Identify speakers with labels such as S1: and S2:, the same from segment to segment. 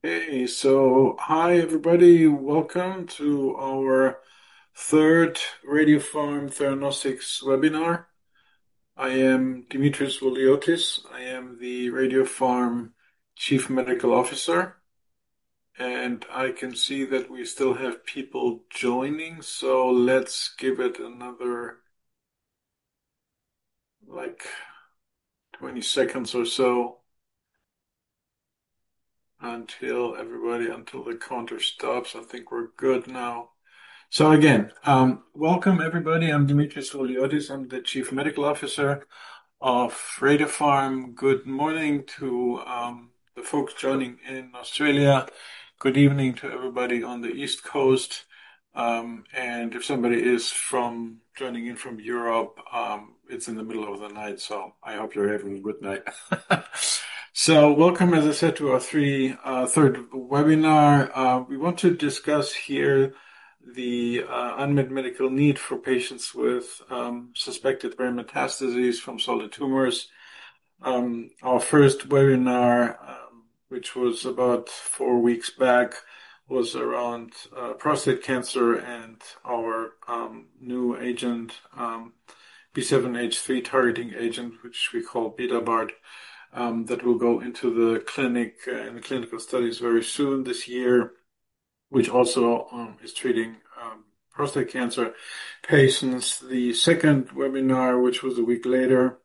S1: Hey, so hi everybody, welcome to our third Radiopharm Theranostics webinar. I am Dimitris Voliotis, I am the Radiopharm Chief Medical Officer, and I can see that we still have people joining, so let's give it another, like, 20 seconds or so until everybody, until the counter stops. I think we're good now, so again, welcome everybody, I'm Dimitris Voliotis, I'm the Chief Medical Officer of Radiopharm. Good morning to the folks joining in Australia, good evening to everybody on the East Coast, and if somebody is joining in from Europe, it's in the middle of the night, so I hope you're having a good night, so welcome, as I said, to our third webinar. We want to discuss here the unmet medical need for patients with suspected rare metastases from solid tumors. Our first webinar, which was about four weeks back, was around prostate cancer and our new agent, B7-H3 targeting agent, which we call Betabart, that will go into the clinic and clinical studies very soon this year, which also is treating prostate cancer patients. The second webinar, which was a week later,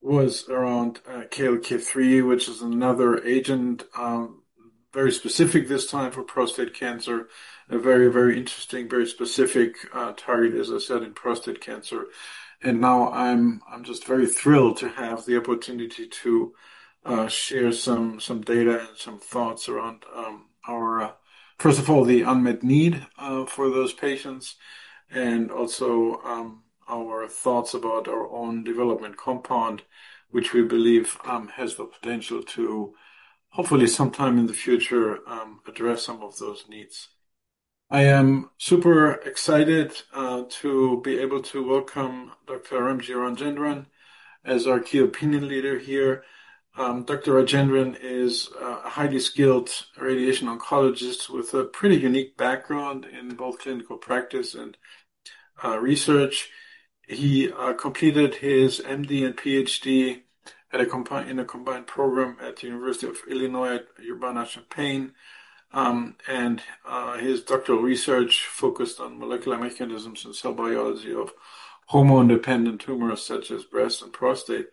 S1: was around KLK3, which is another agent, very specific this time for prostate cancer, a very, very interesting, very specific target, as I said, in prostate cancer. And now I'm just very thrilled to have the opportunity to share some data and some thoughts around our, first of all, the unmet need for those patients, and also our thoughts about our own development compound, which we believe has the potential to hopefully sometime in the future address some of those needs. I am super excited to be able to welcome Dr. Ramji Rajendran as our key opinion leader here. Dr. Rajendran is a highly skilled radiation oncologist with a pretty unique background in both clinical practice and research. He completed his MD and PhD in a combined program at the University of Illinois at Urbana-Champaign, and his doctoral research focused on molecular mechanisms and cell biology of hormone-dependent tumors such as breast and prostate.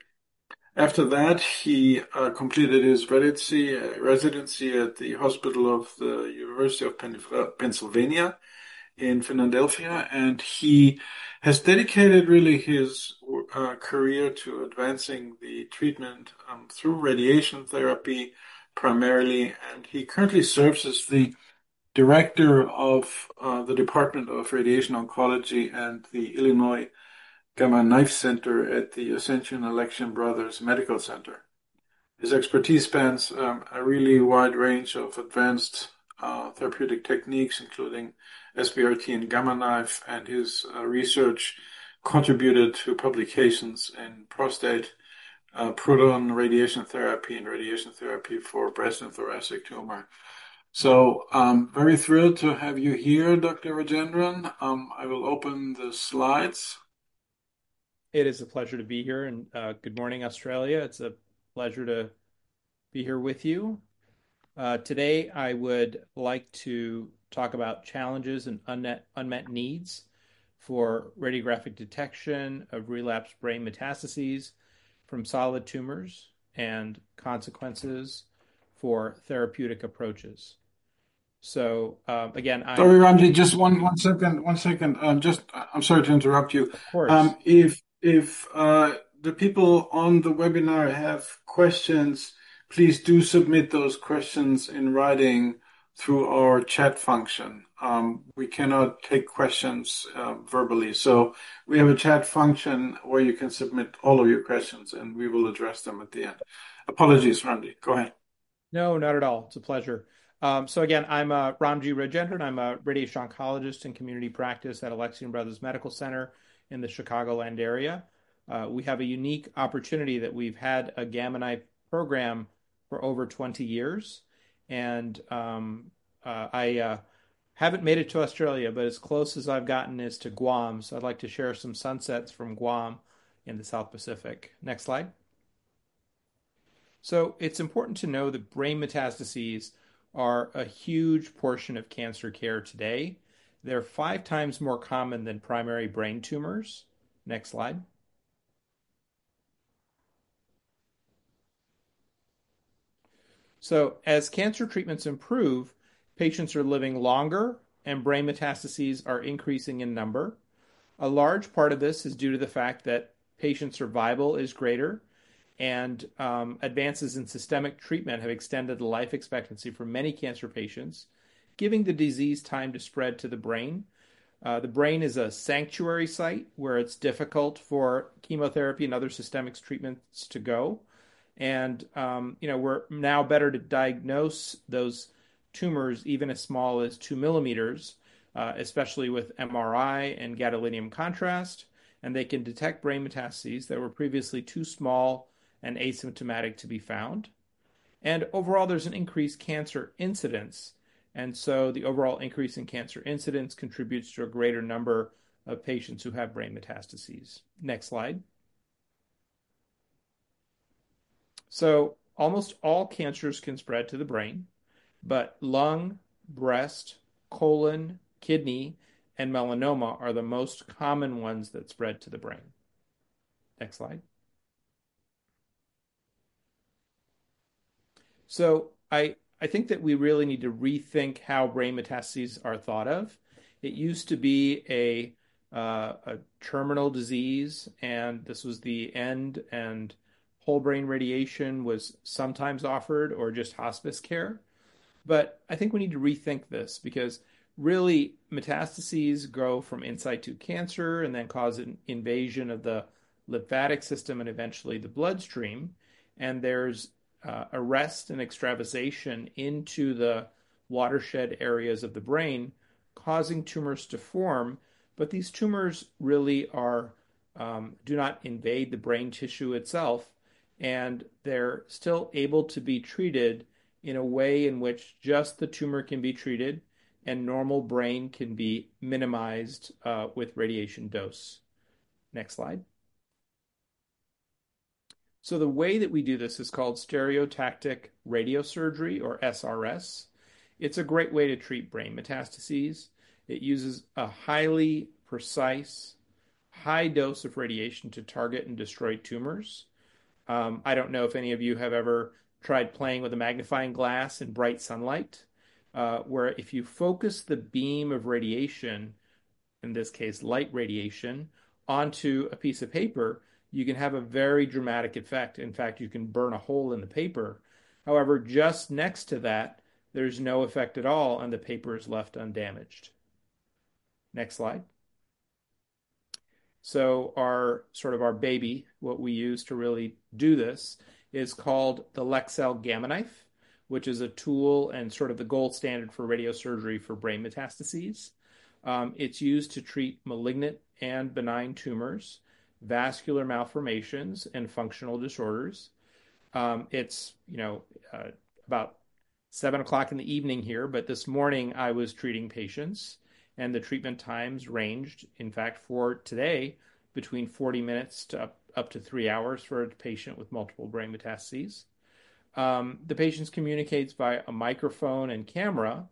S1: After that, he completed his residency at the Hospital of the University of Pennsylvania in Philadelphia, and he has dedicated really his career to advancing the treatment through radiation therapy primarily, and he currently serves as the director of the Department of Radiation Oncology and the Illinois Gamma Knife Center at the Ascension Alexian Brothers Medical Center. His expertise spans a really wide range of advanced therapeutic techniques, including SBRT and Gamma Knife, and his research contributed to publications in prostate, proton radiation therapy, and radiation therapy for breast and thoracic tumor, so I'm very thrilled to have you here, Dr. Rajendran. I will open the slides.
S2: It is a pleasure to be here, and good morning, Australia. It's a pleasure to be here with you. Today, I would like to talk about challenges and unmet needs for radiographic detection of relapsed brain metastases from solid tumors and consequences for therapeutic approaches. So again.
S1: Sorry, Ramji, just one second, one second. I'm sorry to interrupt you.
S2: Of course.
S1: If the people on the webinar have questions, please do submit those questions in writing through our chat function. We cannot take questions verbally. So we have a chat function where you can submit all of your questions, and we will address them at the end. Apologies, Ramji. Go ahead.
S2: No, not at all. It's a pleasure. So again, I'm Ramji Rajendran. I'm a radiation oncologist in community practice at Alexian Brothers Medical Center in the Chicagoland area. We have a unique opportunity that we've had a Gamma Knife program for over 20 years, and I haven't made it to Australia, but as close as I've gotten is to Guam, so I'd like to share some sunsets from Guam in the South Pacific. Next slide. So it's important to know that brain metastases are a huge portion of cancer care today. They're five times more common than primary brain tumors. Next slide. So as cancer treatments improve, patients are living longer, and brain metastases are increasing in number. A large part of this is due to the fact that patient survival is greater, and advances in systemic treatment have extended the life expectancy for many cancer patients, giving the disease time to spread to the brain. The brain is a sanctuary site where it's difficult for chemotherapy and other systemic treatments to go, and we're now better to diagnose those tumors, even as small as two millimeters, especially with MRI and gadolinium contrast, and they can detect brain metastases that were previously too small and asymptomatic to be found, and overall, there's an increased cancer incidence, and so the overall increase in cancer incidence contributes to a greater number of patients who have brain metastases. Next slide. Almost all cancers can spread to the brain, but lung, breast, colon, kidney, and melanoma are the most common ones that spread to the brain. Next slide. I think that we really need to rethink how brain metastases are thought of. It used to be a terminal disease, and this was the end, and whole brain radiation was sometimes offered or just hospice care. But I think we need to rethink this because really metastases grow from inside to cancer and then cause an invasion of the lymphatic system and eventually the bloodstream, and there's arrest and extravasation into the watershed areas of the brain causing tumors to form, but these tumors really do not invade the brain tissue itself, and they're still able to be treated in a way in which just the tumor can be treated and normal brain can be minimized with radiation dose. Next slide. The way that we do this is called stereotactic radiosurgery or SRS. It's a great way to treat brain metastases. It uses a highly precise, high dose of radiation to target and destroy tumors. I don't know if any of you have ever tried playing with a magnifying glass in bright sunlight, where if you focus the beam of radiation, in this case, light radiation, onto a piece of paper, you can have a very dramatic effect. In fact, you can burn a hole in the paper. However, just next to that, there's no effect at all, and the paper is left undamaged. Next slide. So our sort of baby, what we use to really do this is called the Leksell Gamma Knife, which is a tool and sort of the gold standard for radiosurgery for brain metastases. It's used to treat malignant and benign tumors, vascular malformations, and functional disorders. It's about 7:00 P.M. here, but this morning I was treating patients, and the treatment times ranged, in fact, for today, between 40 minutes to up to three hours for a patient with multiple brain metastases. The patients communicate by a microphone and camera.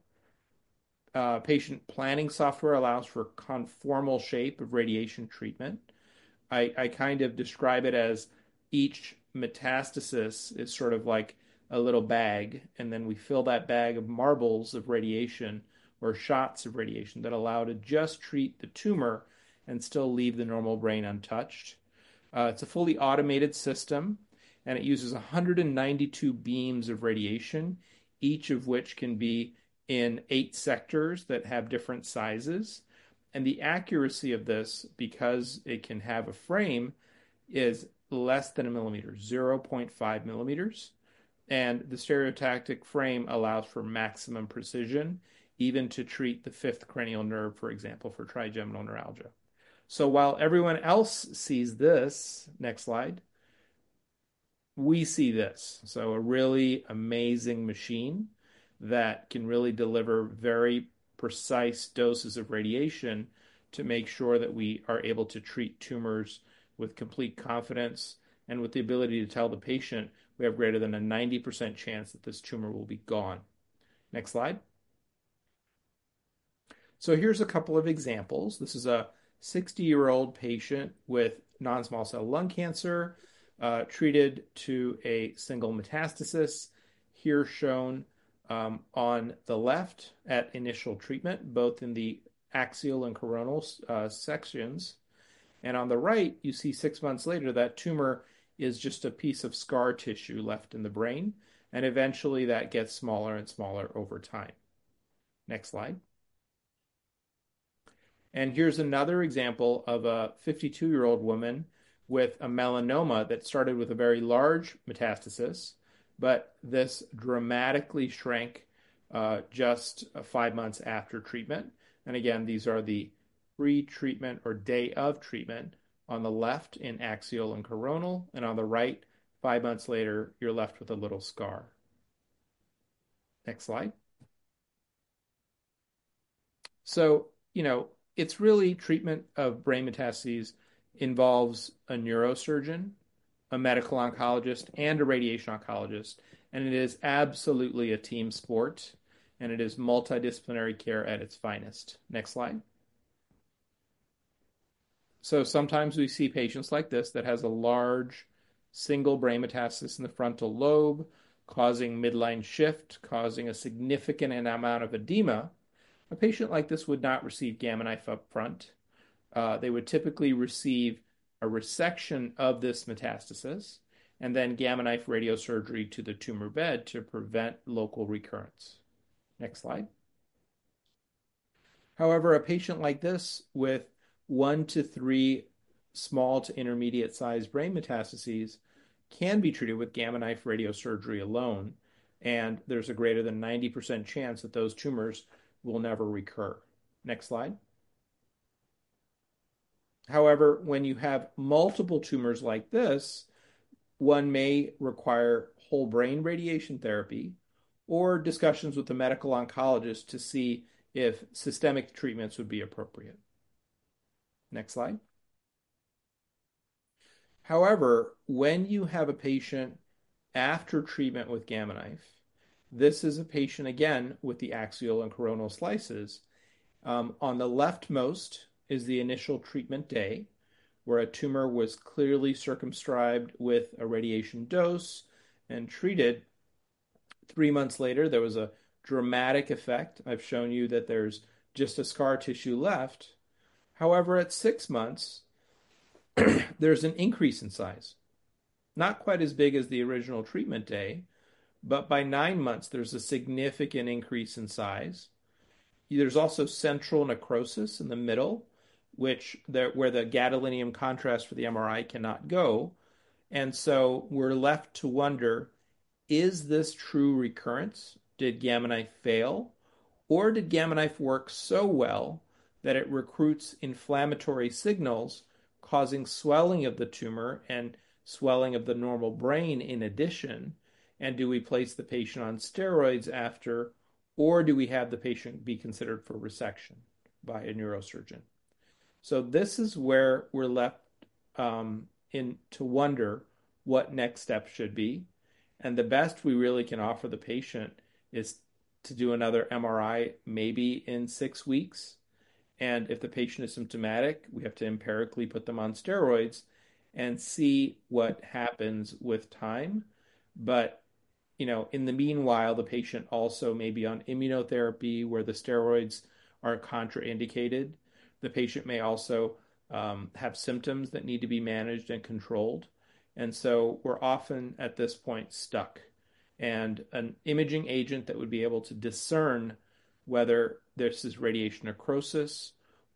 S2: Patient planning software allows for conformal shape of radiation treatment. I kind of describe it as each metastasis is sort of like a little bag, and then we fill that bag of marbles of radiation or shots of radiation that allow to just treat the tumor and still leave the normal brain untouched. It's a fully automated system, and it uses 192 beams of radiation, each of which can be in eight sectors that have different sizes. The accuracy of this, because it can have a frame, is less than a millimeter, 0.5 millimeters, and the stereotactic frame allows for maximum precision, even to treat the fifth cranial nerve, for example, for trigeminal neuralgia. While everyone else sees this, next slide, we see this. It is a really amazing machine that can really deliver very precise doses of radiation to make sure that we are able to treat tumors with complete confidence and with the ability to tell the patient we have greater than a 90% chance that this tumor will be gone. Next slide. Here is a couple of examples. This is a 60-year-old patient with non-small cell lung cancer treated to a single metastasis, here shown on the left at initial treatment, both in the axial and coronal sections. On the right, you see six months later that tumor is just a piece of scar tissue left in the brain, and eventually that gets smaller and smaller over time. Next slide. Here's another example of a 52-year-old woman with a melanoma that started with a very large metastasis, but this dramatically shrank just five months after treatment. Again, these are the pre-treatment or day of treatment on the left in axial and coronal, and on the right, five months later, you're left with a little scar. Next slide. It's really treatment of brain metastases involves a neurosurgeon, a medical oncologist, and a radiation oncologist, and it is absolutely a team sport, and it is multidisciplinary care at its finest. Next slide. Sometimes we see patients like this that has a large single brain metastasis in the frontal lobe, causing midline shift, causing a significant amount of edema. A patient like this would not receive Gamma Knife upfront. They would typically receive a resection of this metastasis and then Gamma Knife radiosurgery to the tumor bed to prevent local recurrence. Next slide. However, a patient like this with one to three small to intermediate-sized brain metastases can be treated with Gamma Knife radiosurgery alone, and there's a greater than 90% chance that those tumors will never recur. Next slide. However, when you have multiple tumors like this, one may require whole brain radiation therapy or discussions with the medical oncologist to see if systemic treatments would be appropriate. Next slide. However, when you have a patient after treatment with Gamma Knife, this is a patient, again, with the axial and coronal slices. On the leftmost is the initial treatment day where a tumor was clearly circumscribed with a radiation dose and treated. Three months later, there was a dramatic effect. I've shown you that there's just a scar tissue left. However, at six months, there's an increase in size. Not quite as big as the original treatment day, but by nine months, there's a significant increase in size. There's also central necrosis in the middle, where the gadolinium contrast for the MRI cannot go, and so we're left to wonder, is this true recurrence? Did Gamma Knife fail, or did Gamma Knife work so well that it recruits inflammatory signals causing swelling of the tumor and swelling of the normal brain in addition? Do we place the patient on steroids after, or do we have the patient be considered for resection by a neurosurgeon? This is where we're left to wonder what next step should be. The best we really can offer the patient is to do another MRI maybe in six weeks. If the patient is symptomatic, we have to empirically put them on steroids and see what happens with time. In the meanwhile, the patient also may be on immunotherapy where the steroids are contraindicated. The patient may also have symptoms that need to be managed and controlled. We're often at this point stuck. An imaging agent that would be able to discern whether this is radiation necrosis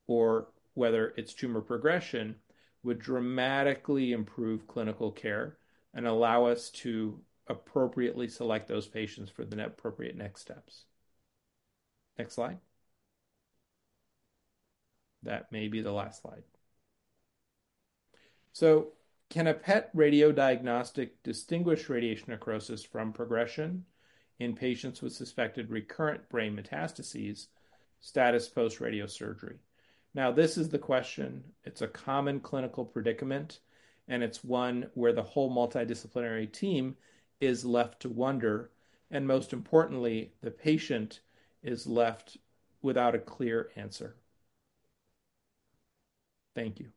S2: or whether it's tumor progression would dramatically improve clinical care and allow us to appropriately select those patients for the appropriate next steps. Next slide. That may be the last slide. So can a PET radiodiagnostic distinguish radiation necrosis from progression in patients with suspected recurrent brain metastases status post radiosurgery? Now, this is the question. It's a common clinical predicament, and it's one where the whole multidisciplinary team is left to wonder, and most importantly, the patient is left without a clear answer. Thank you.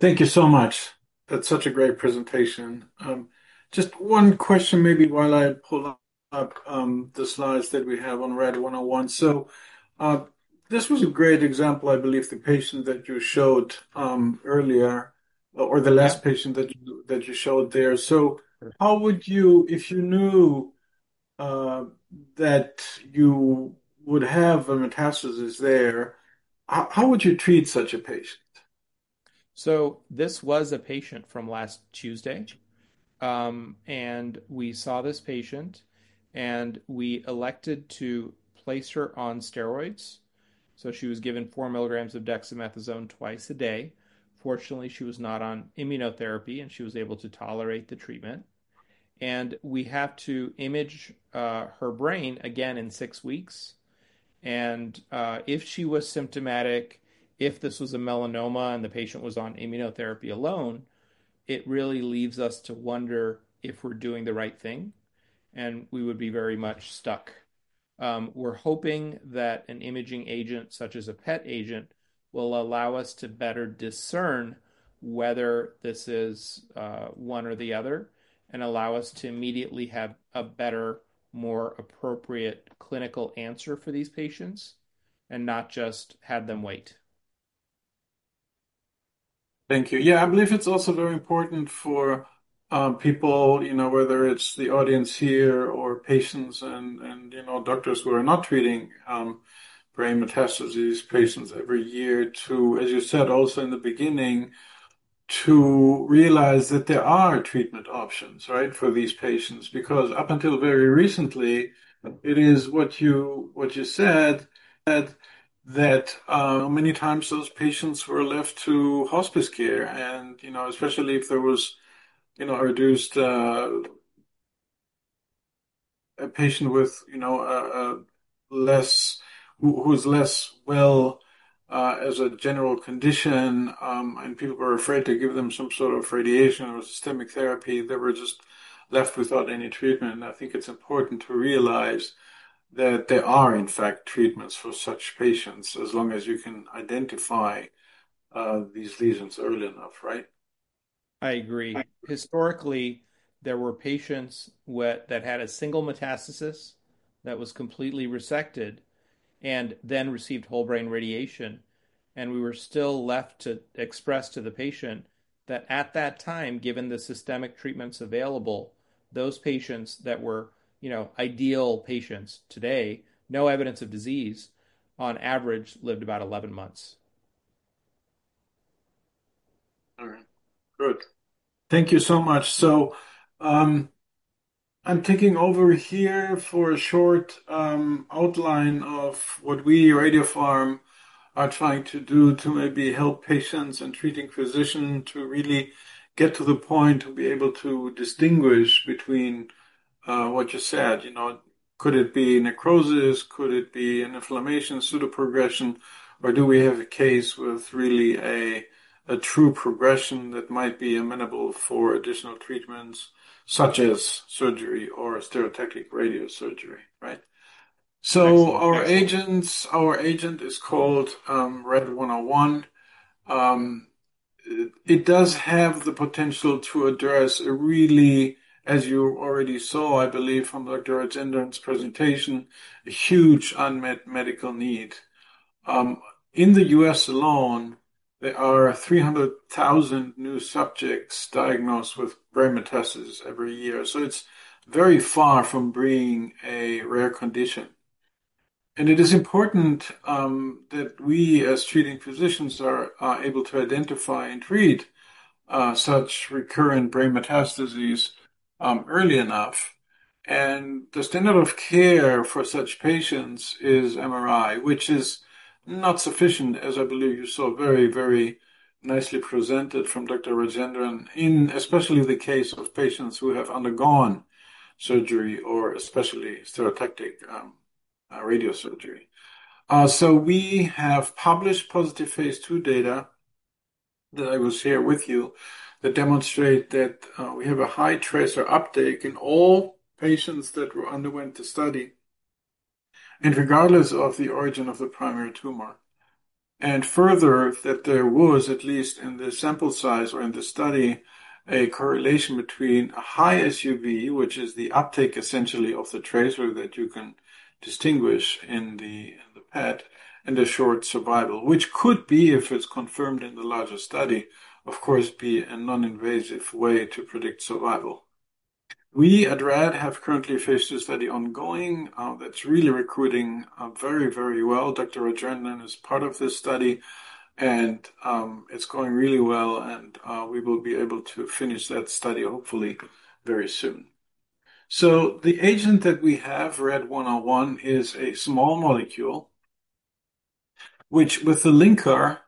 S1: Thank you so much. That's such a great presentation. Just one question maybe while I pull up the slides that we have on RAD-101. So this was a great example, I believe, the patient that you showed earlier or the last patient that you showed there. So how would you, if you knew that you would have a metastasis there, how would you treat such a patient?
S2: So this was a patient from last Tuesday, and we saw this patient, and we elected to place her on steroids. So she was given 4 milligrams of dexamethasone twice a day. Fortunately, she was not on immunotherapy, and she was able to tolerate the treatment. And we have to image her brain again in six weeks. And if she was symptomatic, if this was a melanoma and the patient was on immunotherapy alone, it really leaves us to wonder if we're doing the right thing, and we would be very much stuck. We're hoping that an imaging agent such as a PET agent will allow us to better discern whether this is one or the other and allow us to immediately have a better, more appropriate clinical answer for these patients and not just have them wait.
S1: Thank you. Yeah, I believe it's also very important for people, whether it's the audience here or patients and doctors who are not treating brain metastases patients every year, to, as you said also in the beginning, to realize that there are treatment options for these patients. Because up until very recently, it is what you said that many times those patients were left to hospice care, and especially if there was a reduced patient with less who was less well as a general condition, and people were afraid to give them some sort of radiation or systemic therapy, they were just left without any treatment, and I think it's important to realize that there are, in fact, treatments for such patients as long as you can identify these lesions early enough, right?
S2: I agree. Historically, there were patients that had a single metastasis that was completely resected and then received whole brain radiation, and we were still left to express to the patient that at that time, given the systemic treatments available, those patients that were ideal patients today, no evidence of disease, on average lived about 11 months.
S1: All right. Good. Thank you so much. So I'm taking over here for a short outline of what we at Radiopharm are trying to do to maybe help patients and treating physicians to really get to the point to be able to distinguish between what you said. Could it be necrosis? Could it be an inflammation pseudoprogression? Or do we have a case with really a true progression that might be amenable for additional treatments such as surgery or stereotactic radiosurgery, right? So our agent is called RAD-101. It does have the potential to address a really, as you already saw, I believe from Dr. Rajendran's presentation, a huge unmet medical need. In the U.S. alone, there are 300,000 new subjects diagnosed with brain metastasis every year. So it's very far from being a rare condition. And it is important that we as treating physicians are able to identify and treat such recurrent brain metastases early enough. And the standard of care for such patients is MRI, which is not sufficient, as I believe you saw very, very nicely presented from Dr. Rajendran, in especially the case of patients who have undergone surgery or especially stereotactic radiosurgery. So we have published positive phase two data that I will share with you that demonstrate that we have a high tracer uptake in all patients that underwent the study, and regardless of the origin of the primary tumor. Further, that there was, at least in the sample size or in the study, a correlation between a high SUV, which is the uptake essentially of the tracer that you can distinguish in the PET, and the short survival, which could be, if it's confirmed in the larger study, of course, be a non-invasive way to predict survival. We at RAD have currently a phase 2 study ongoing that's really recruiting very, very well. Dr. Rajendran is part of this study, and it's going really well, and we will be able to finish that study hopefully very soon. The agent that we have, RAD-101, is a small molecule, which with the linker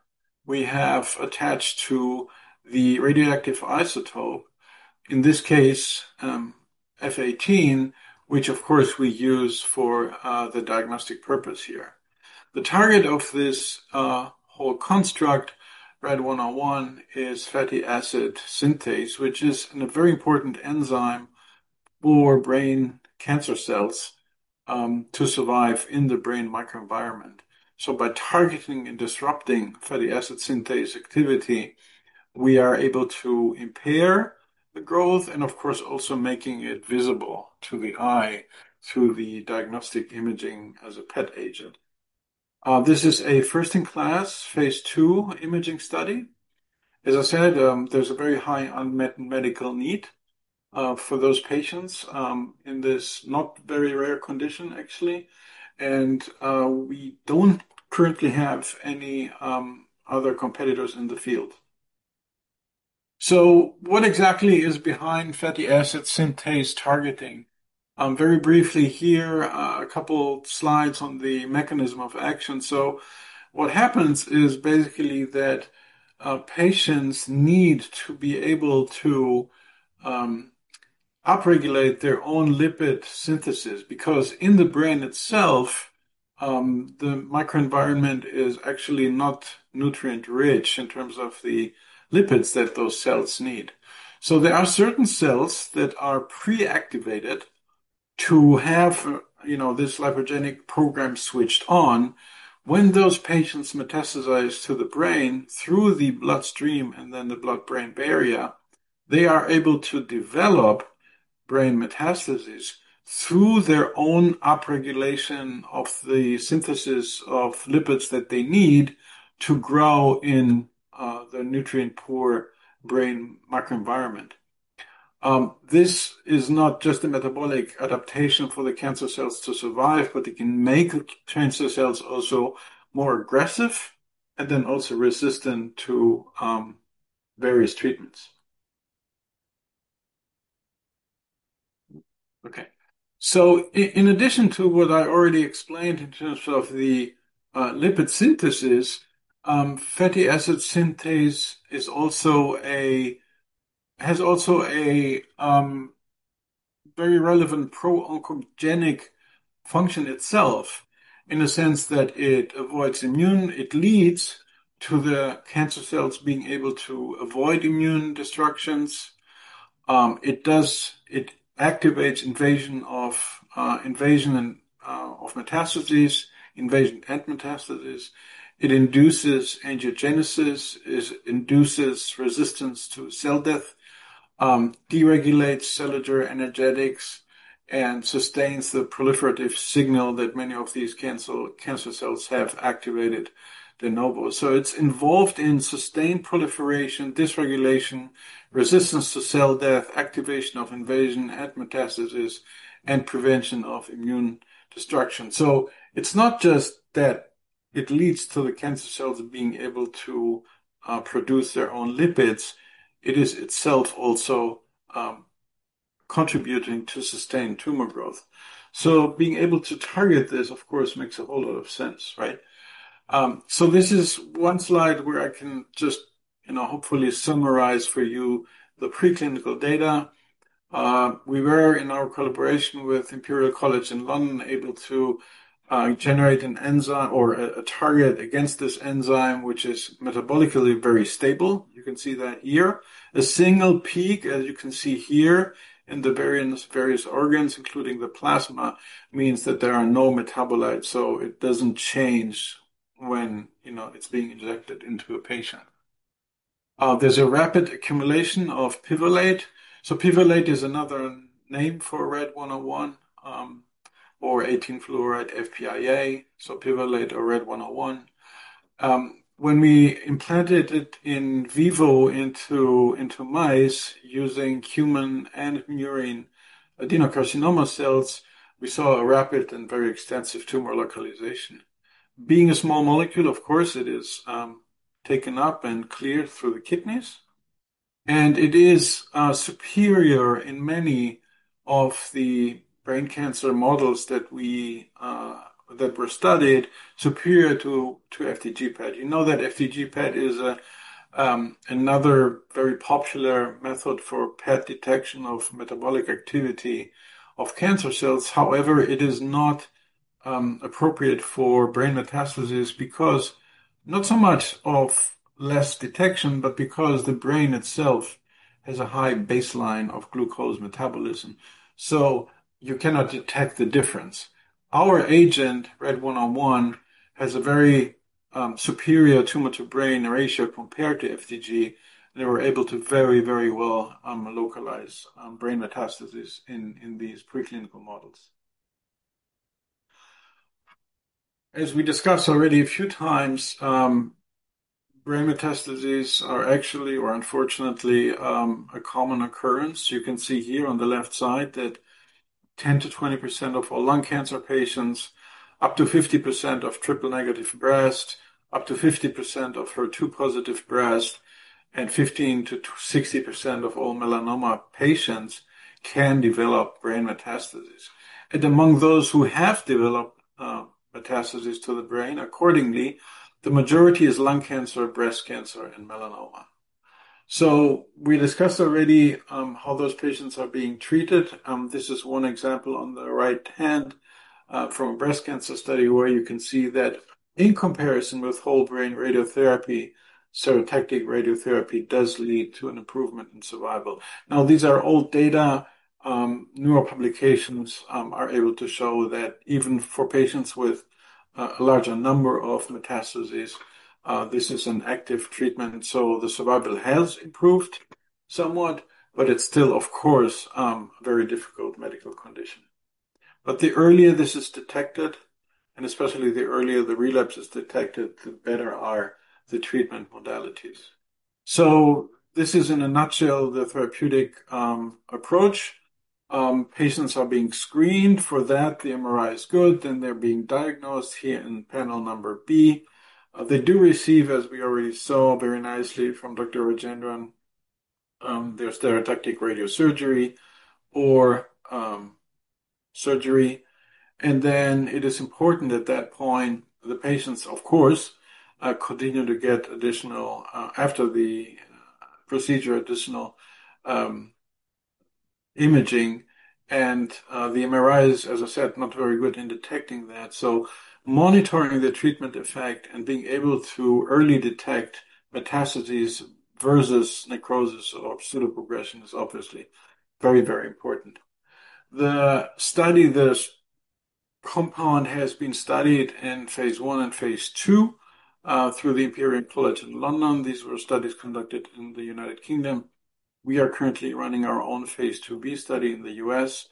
S1: we have attached to the radioactive isotope, in this case, F-18, which of course we use for the diagnostic purpose here. The target of this whole construct, RAD-101, is fatty acid synthase, which is a very important enzyme for brain cancer cells to survive in the brain microenvironment, so by targeting and disrupting fatty acid synthase activity, we are able to impair the growth and of course also making it visible to the eye through the diagnostic imaging as a PET agent. This is a first-in-class phase two imaging study. As I said, there's a very high unmet medical need for those patients in this not very rare condition, actually, and we don't currently have any other competitors in the field, so what exactly is behind fatty acid synthase targeting? Very briefly here, a couple of slides on the mechanism of action. What happens is basically that patients need to be able to upregulate their own lipid synthesis because in the brain itself, the microenvironment is actually not nutrient-rich in terms of the lipids that those cells need. So there are certain cells that are pre-activated to have this lipogenic program switched on. When those patients metastasize to the brain through the bloodstream and then the blood-brain barrier, they are able to develop brain metastases through their own upregulation of the synthesis of lipids that they need to grow in the nutrient-poor brain microenvironment. This is not just a metabolic adaptation for the cancer cells to survive, but it can make cancer cells also more aggressive and then also resistant to various treatments. Okay. So in addition to what I already explained in terms of the lipid synthesis, fatty acid synthase has also a very relevant pro-oncogenic function itself in the sense that it leads to the cancer cells being able to avoid immune destruction. It activates invasion and metastases. It induces angiogenesis, induces resistance to cell death, deregulates cellular energetics, and sustains the proliferative signal that many of these cancer cells have activated de novo. So it's involved in sustained proliferation, dysregulation, resistance to cell death, activation of invasion and metastasis, and prevention of immune destruction. So it's not just that it leads to the cancer cells being able to produce their own lipids. It is itself also contributing to sustained tumor growth. So being able to target this, of course, makes a whole lot of sense, right? So this is one slide where I can just hopefully summarize for you the preclinical data. We were, in our collaboration with Imperial College London, able to generate an enzyme or a target against this enzyme, which is metabolically very stable. You can see that here. A single peak, as you can see here in the various organs, including the plasma, means that there are no metabolites. So it doesn't change when it's being injected into a patient. There's a rapid accumulation of pivalate. So pivalate is another name for RAD-101 or 18F-FPIA, so pivalate or RAD-101. When we implanted it in vivo into mice using human and murine adenocarcinoma cells, we saw a rapid and very extensive tumor localization. Being a small molecule, of course, it is taken up and cleared through the kidneys. It is superior in many of the brain cancer models that were studied, superior to FDG PET. You know that FDG PET is another very popular method for PET detection of metabolic activity of cancer cells. However, it is not appropriate for brain metastasis because not so much of less detection, but because the brain itself has a high baseline of glucose metabolism. So you cannot detect the difference. Our agent, RAD-101, has a very superior tumor-to-brain ratio compared to FDG. They were able to very, very well localize brain metastasis in these preclinical models. As we discussed already a few times, brain metastases are actually, or unfortunately, a common occurrence. You can see here on the left side that 10%-20% of all lung cancer patients, up to 50% of triple-negative breast, up to 50% of HER2-positive breast, and 15%-60% of all melanoma patients can develop brain metastases. Among those who have developed metastasis to the brain, accordingly, the majority is lung cancer, breast cancer, and melanoma. We discussed already how those patients are being treated. This is one example on the right hand from a breast cancer study where you can see that in comparison with whole brain radiotherapy, stereotactic radiotherapy does lead to an improvement in survival. Now, these are old data. Newer publications are able to show that even for patients with a larger number of metastases, this is an active treatment. The survival has improved somewhat, but it's still, of course, a very difficult medical condition. But the earlier this is detected, and especially the earlier the relapse is detected, the better are the treatment modalities. So this is, in a nutshell, the therapeutic approach. Patients are being screened for that. The MRI is good. Then they're being diagnosed here in panel number B. They do receive, as we already saw very nicely from Dr. Rajendran, their stereotactic radiosurgery or surgery. And then it is important at that point, the patients, of course, continue to get additional, after the procedure, additional imaging. And the MRI is, as I said, not very good in detecting that. So monitoring the treatment effect and being able to early detect metastases versus necrosis or pseudoprogression is obviously very, very important. The study, this compound has been studied in phase one and phase two through the Imperial College London. These were studies conducted in the United Kingdom. We are currently running our own phase two B study in the U.S.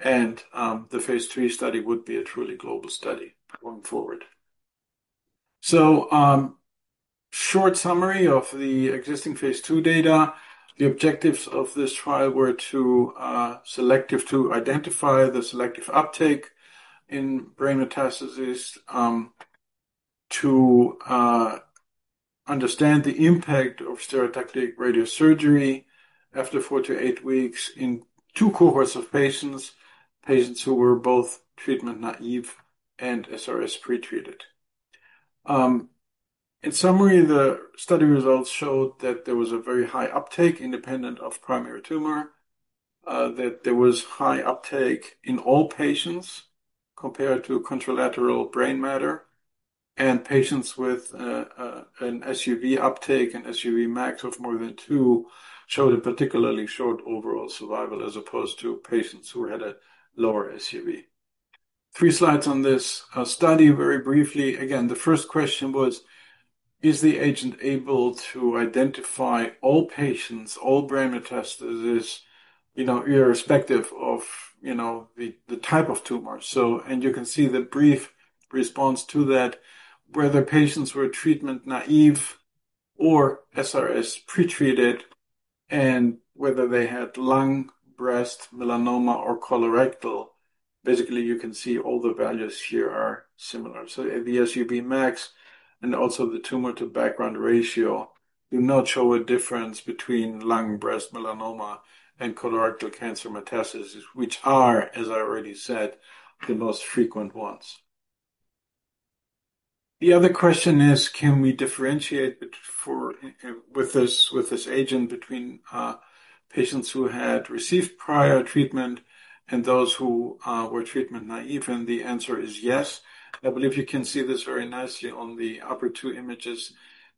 S1: And the phase three study would be a truly global study going forward. So short summary of the existing phase two data. The objectives of this trial were selective to identify the selective uptake in brain metastasis to understand the impact of stereotactic radiosurgery after four to eight weeks in two cohorts of patients, patients who were both treatment naive and SRS pretreated. In summary, the study results showed that there was a very high uptake independent of primary tumor, that there was high uptake in all patients compared to contralateral brain matter. And patients with an SUV uptake and SUV max of more than two showed a particularly short overall survival as opposed to patients who had a lower SUV. Three slides on this study very briefly. Again, the first question was, is the agent able to identify all patients, all brain metastases, irrespective of the type of tumor? And you can see the brief response to that, whether patients were treatment naive or SRS pretreated, and whether they had lung, breast, melanoma, or colorectal. Basically, you can see all the values here are similar. So the SUV max and also the tumor-to-background ratio do not show a difference between lung, breast, melanoma, and colorectal cancer metastases, which are, as I already said, the most frequent ones. The other question is, can we differentiate with this agent between patients who had received prior treatment and those who were treatment naive? And the answer is yes. I believe you can see this very nicely on the upper two images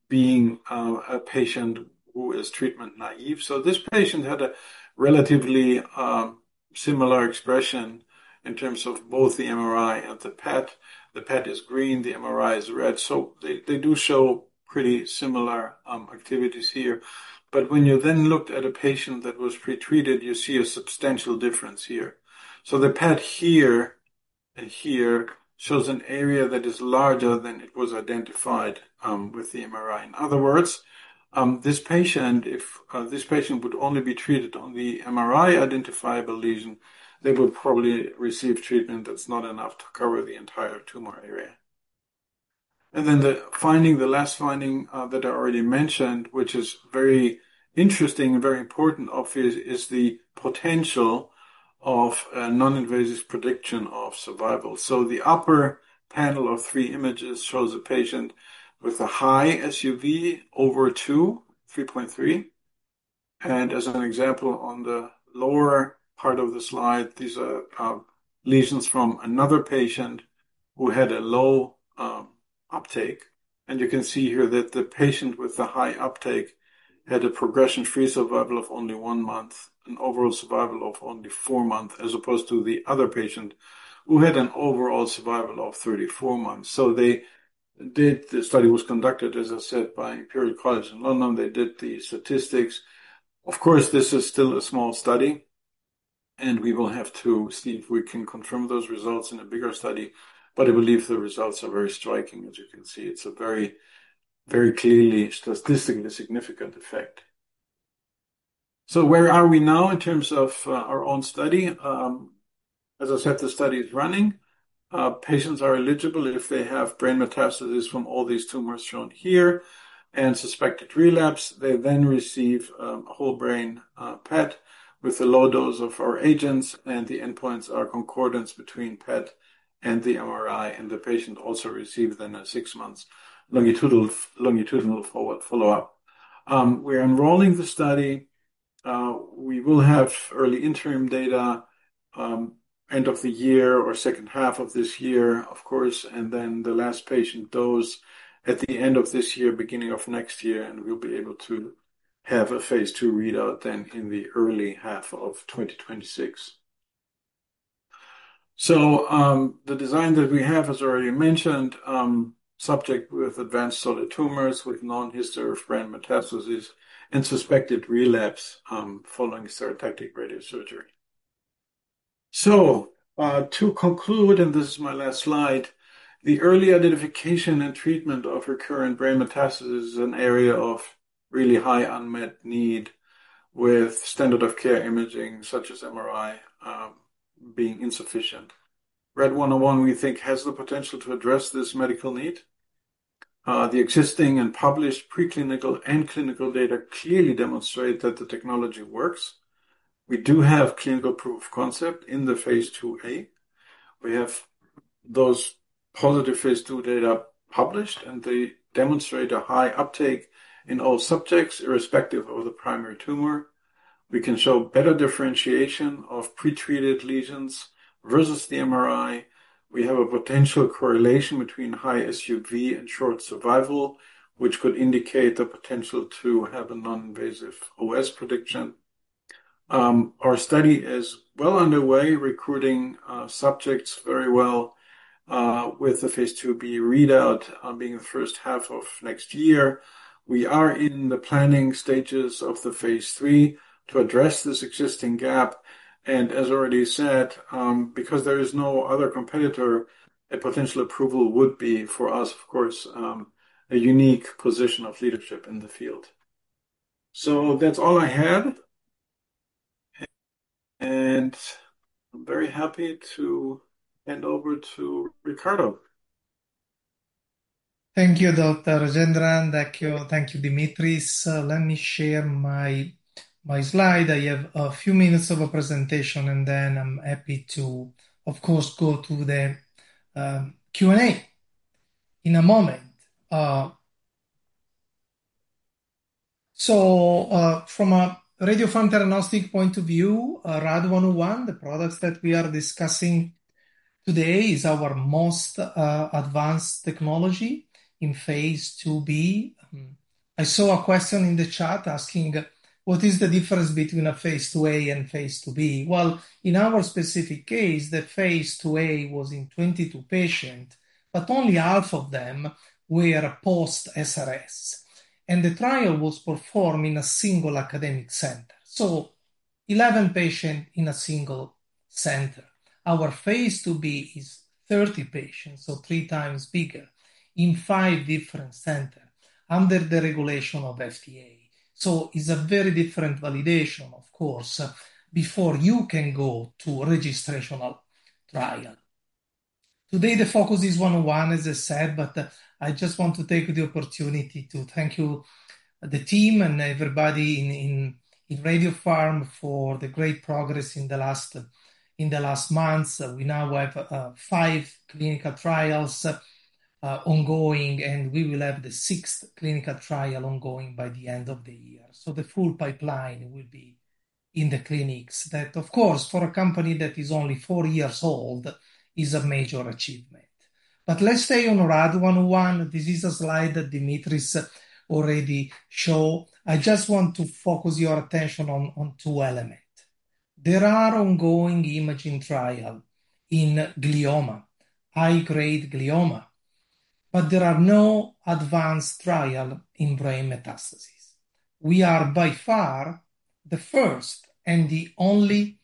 S1: being a patient who is treatment naive. So this patient had a relatively similar expression in terms of both the MRI and the PET. The PET is green. The MRI is red. So they do show pretty similar activities here. But when you then looked at a patient that was pretreated, you see a substantial difference here. So the PET here and here shows an area that is larger than it was identified with the MRI. In other words, this patient, if this patient would only be treated on the MRI identifiable lesion, they would probably receive treatment that's not enough to cover the entire tumor area. And then the last finding that I already mentioned, which is very interesting and very important, obviously, is the potential of non-invasive prediction of survival. So the upper panel of three images shows a patient with a high SUV over two, 3.3. As an example on the lower part of the slide, these are lesions from another patient who had a low uptake. You can see here that the patient with the high uptake had a progression-free survival of only one month, an overall survival of only four months, as opposed to the other patient who had an overall survival of 34 months. The study was conducted, as I said, by Imperial College London. They did the statistics. Of course, this is still a small study, and we will have to see if we can confirm those results in a bigger study. I believe the results are very striking, as you can see. It's a very, very clearly statistically significant effect. Where are we now in terms of our own study? As I said, the study is running. Patients are eligible if they have brain metastasis from all these tumors shown here and suspected relapse. They then receive whole brain PET with a low dose of our agents, and the endpoints are concordance between PET and the MRI, and the patient also receives then a six-month longitudinal follow-up. We're enrolling the study. We will have early interim data end of the year or second half of this year, of course, and then the last patient dose at the end of this year, beginning of next year, and we'll be able to have a phase two readout then in the early half of 2026. So the design that we have, as I already mentioned, subject with advanced solid tumors with no history of brain metastasis and suspected relapse following stereotactic radiosurgery. To conclude, and this is my last slide, the early identification and treatment of recurrent brain metastasis is an area of really high unmet need with standard of care imaging such as MRI being insufficient. RAD-101, we think, has the potential to address this medical need. The existing and published preclinical and clinical data clearly demonstrate that the technology works. We do have clinical proof of concept in the phase two A. We have those positive phase two data published, and they demonstrate a high uptake in all subjects irrespective of the primary tumor. We can show better differentiation of pretreated lesions versus the MRI. We have a potential correlation between high SUV and short survival, which could indicate the potential to have a non-invasive OS prediction. Our study is well underway, recruiting subjects very well with the phase two B readout being the first half of next year. We are in the planning stages of the phase three to address this existing gap, and as already said, because there is no other competitor, a potential approval would be for us, of course, a unique position of leadership in the field, so that's all I had, and I'm very happy to hand over to Riccardo.
S3: Thank you, Dr. Rajendran. Thank you, Dimitris. Let me share my slide. I have a few minutes of a presentation, and then I'm happy to, of course, go to the Q&A in a moment, so from a Radiopharm Theranostics point of view, RAD-101, the products that we are discussing today is our most advanced technology in phase two B. I saw a question in the chat asking, what is the difference between a phase two A and phase two B? In our specific case, the phase two A was in 22 patients, but only half of them were post-SRS. The trial was performed in a single academic center. 11 patients in a single center. Our phase two B is 30 patients, so three times bigger in five different centers under the regulation of FDA. It's a very different validation, of course, before you can go to registrational trial. Today, the focus is 101, as I said, but I just want to take the opportunity to thank you, the team and everybody in Radiopharm for the great progress in the last months. We now have five clinical trials ongoing, and we will have the sixth clinical trial ongoing by the end of the year. The full pipeline will be in the clinics. That, of course, for a company that is only four years old, is a major achievement, but let's stay on RAD-101. This is a slide that Dimitris already showed. I just want to focus your attention on two elements. There are ongoing imaging trials in glioma, high-grade glioma, but there are no advanced trials in brain metastases. We are by far the first and the only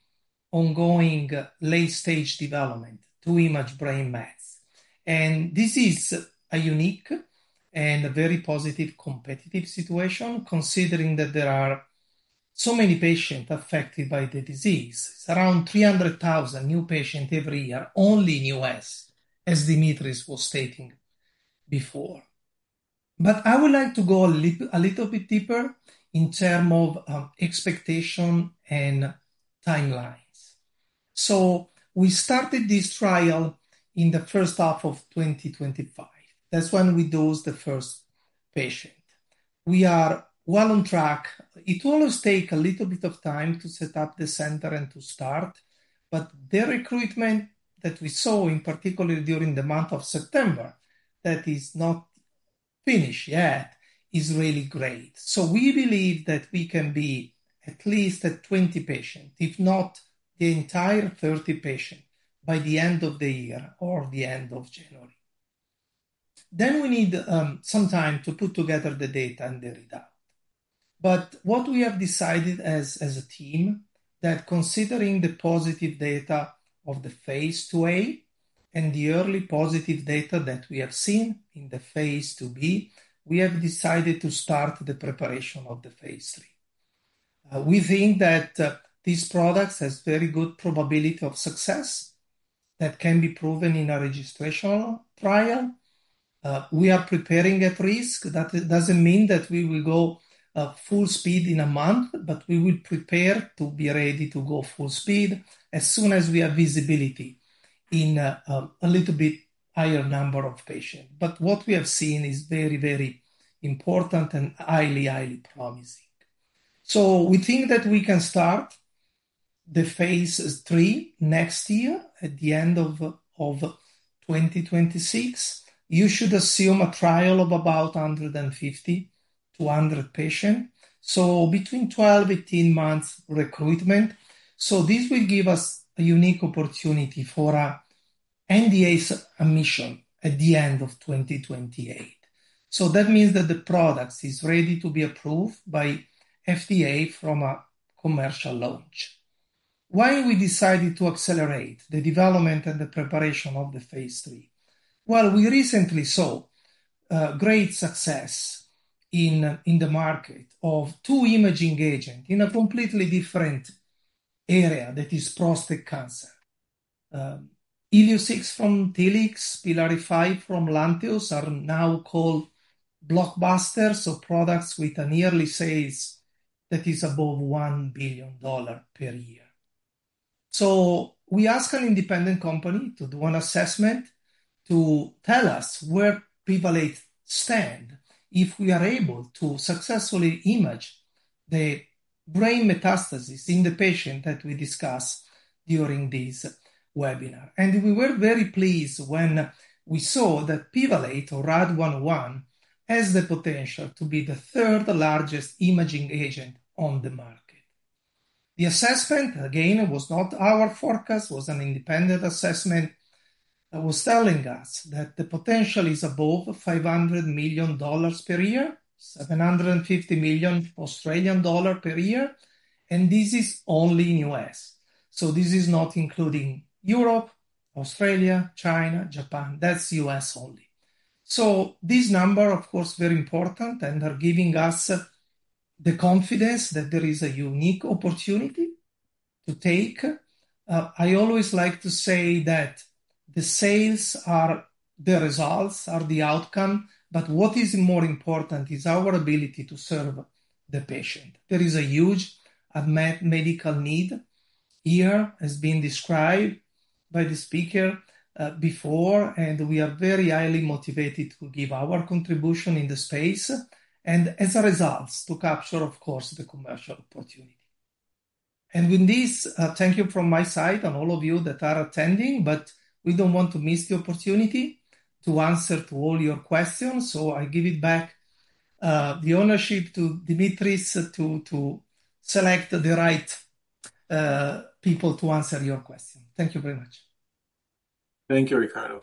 S3: ongoing late-stage development to image brain mets, and this is a unique and a very positive competitive situation, considering that there are so many patients affected by the disease. It's around 300,000 new patients every year, only in the U.S., as Dimitris was stating before, but I would like to go a little bit deeper in terms of expectation and timelines, so we started this trial in the first half of 2025. That's when we dosed the first patient. We are well on track. It will always take a little bit of time to set up the center and to start, but the recruitment that we saw, in particular during the month of September, that is not finished yet, is really great. So we believe that we can be at least at 20 patients, if not the entire 30 patients, by the end of the year or the end of January. Then we need some time to put together the data and the readout. But what we have decided as a team, that considering the positive data of the phase two A and the early positive data that we have seen in the phase two B, we have decided to start the preparation of the phase three. We think that these products have very good probability of success that can be proven in a registrational trial. We are preparing at risk. That doesn't mean that we will go full speed in a month, but we will prepare to be ready to go full speed as soon as we have visibility in a little bit higher number of patients. But what we have seen is very, very important and highly, highly promising. So we think that we can start the phase three next year at the end of 2026. You should assume a trial of about 150 to 100 patients. So between 12-18 months recruitment. So this will give us a unique opportunity for an NDA submission at the end of 2028. So that means that the product is ready to be approved by FDA for a commercial launch. Why we decided to accelerate the development and the preparation of the phase three? We recently saw great success in the market of two imaging agents in a completely different area that is prostate cancer. Illuccix from Telix, Pylarify from Lantheus are now called blockbusters of products with a yearly sales that is above $1 billion per year. We asked an independent company to do an assessment to tell us where Pivalate stands if we are able to successfully image the brain metastasis in the patient that we discussed during this webinar. We were very pleased when we saw that Pivalate or RAD-101 has the potential to be the third largest imaging agent on the market. The assessment, again, was not our forecast. It was an independent assessment that was telling us that the potential is above $500 million per year, 750 million Australian dollar per year. This is only in the U.S. So this is not including Europe, Australia, China, Japan. That's U.S. only. So this number, of course, is very important and are giving us the confidence that there is a unique opportunity to take. I always like to say that the sales are the results, are the outcome, but what is more important is our ability to serve the patient. There is a huge medical need here as been described by the speaker before, and we are very highly motivated to give our contribution in the space and as a result to capture, of course, the commercial opportunity. And with this, thank you from my side and all of you that are attending, but we don't want to miss the opportunity to answer to all your questions. So I give it back the ownership to Dimitris to select the right people to answer your question. Thank you very much.
S1: Thank you, Riccardo.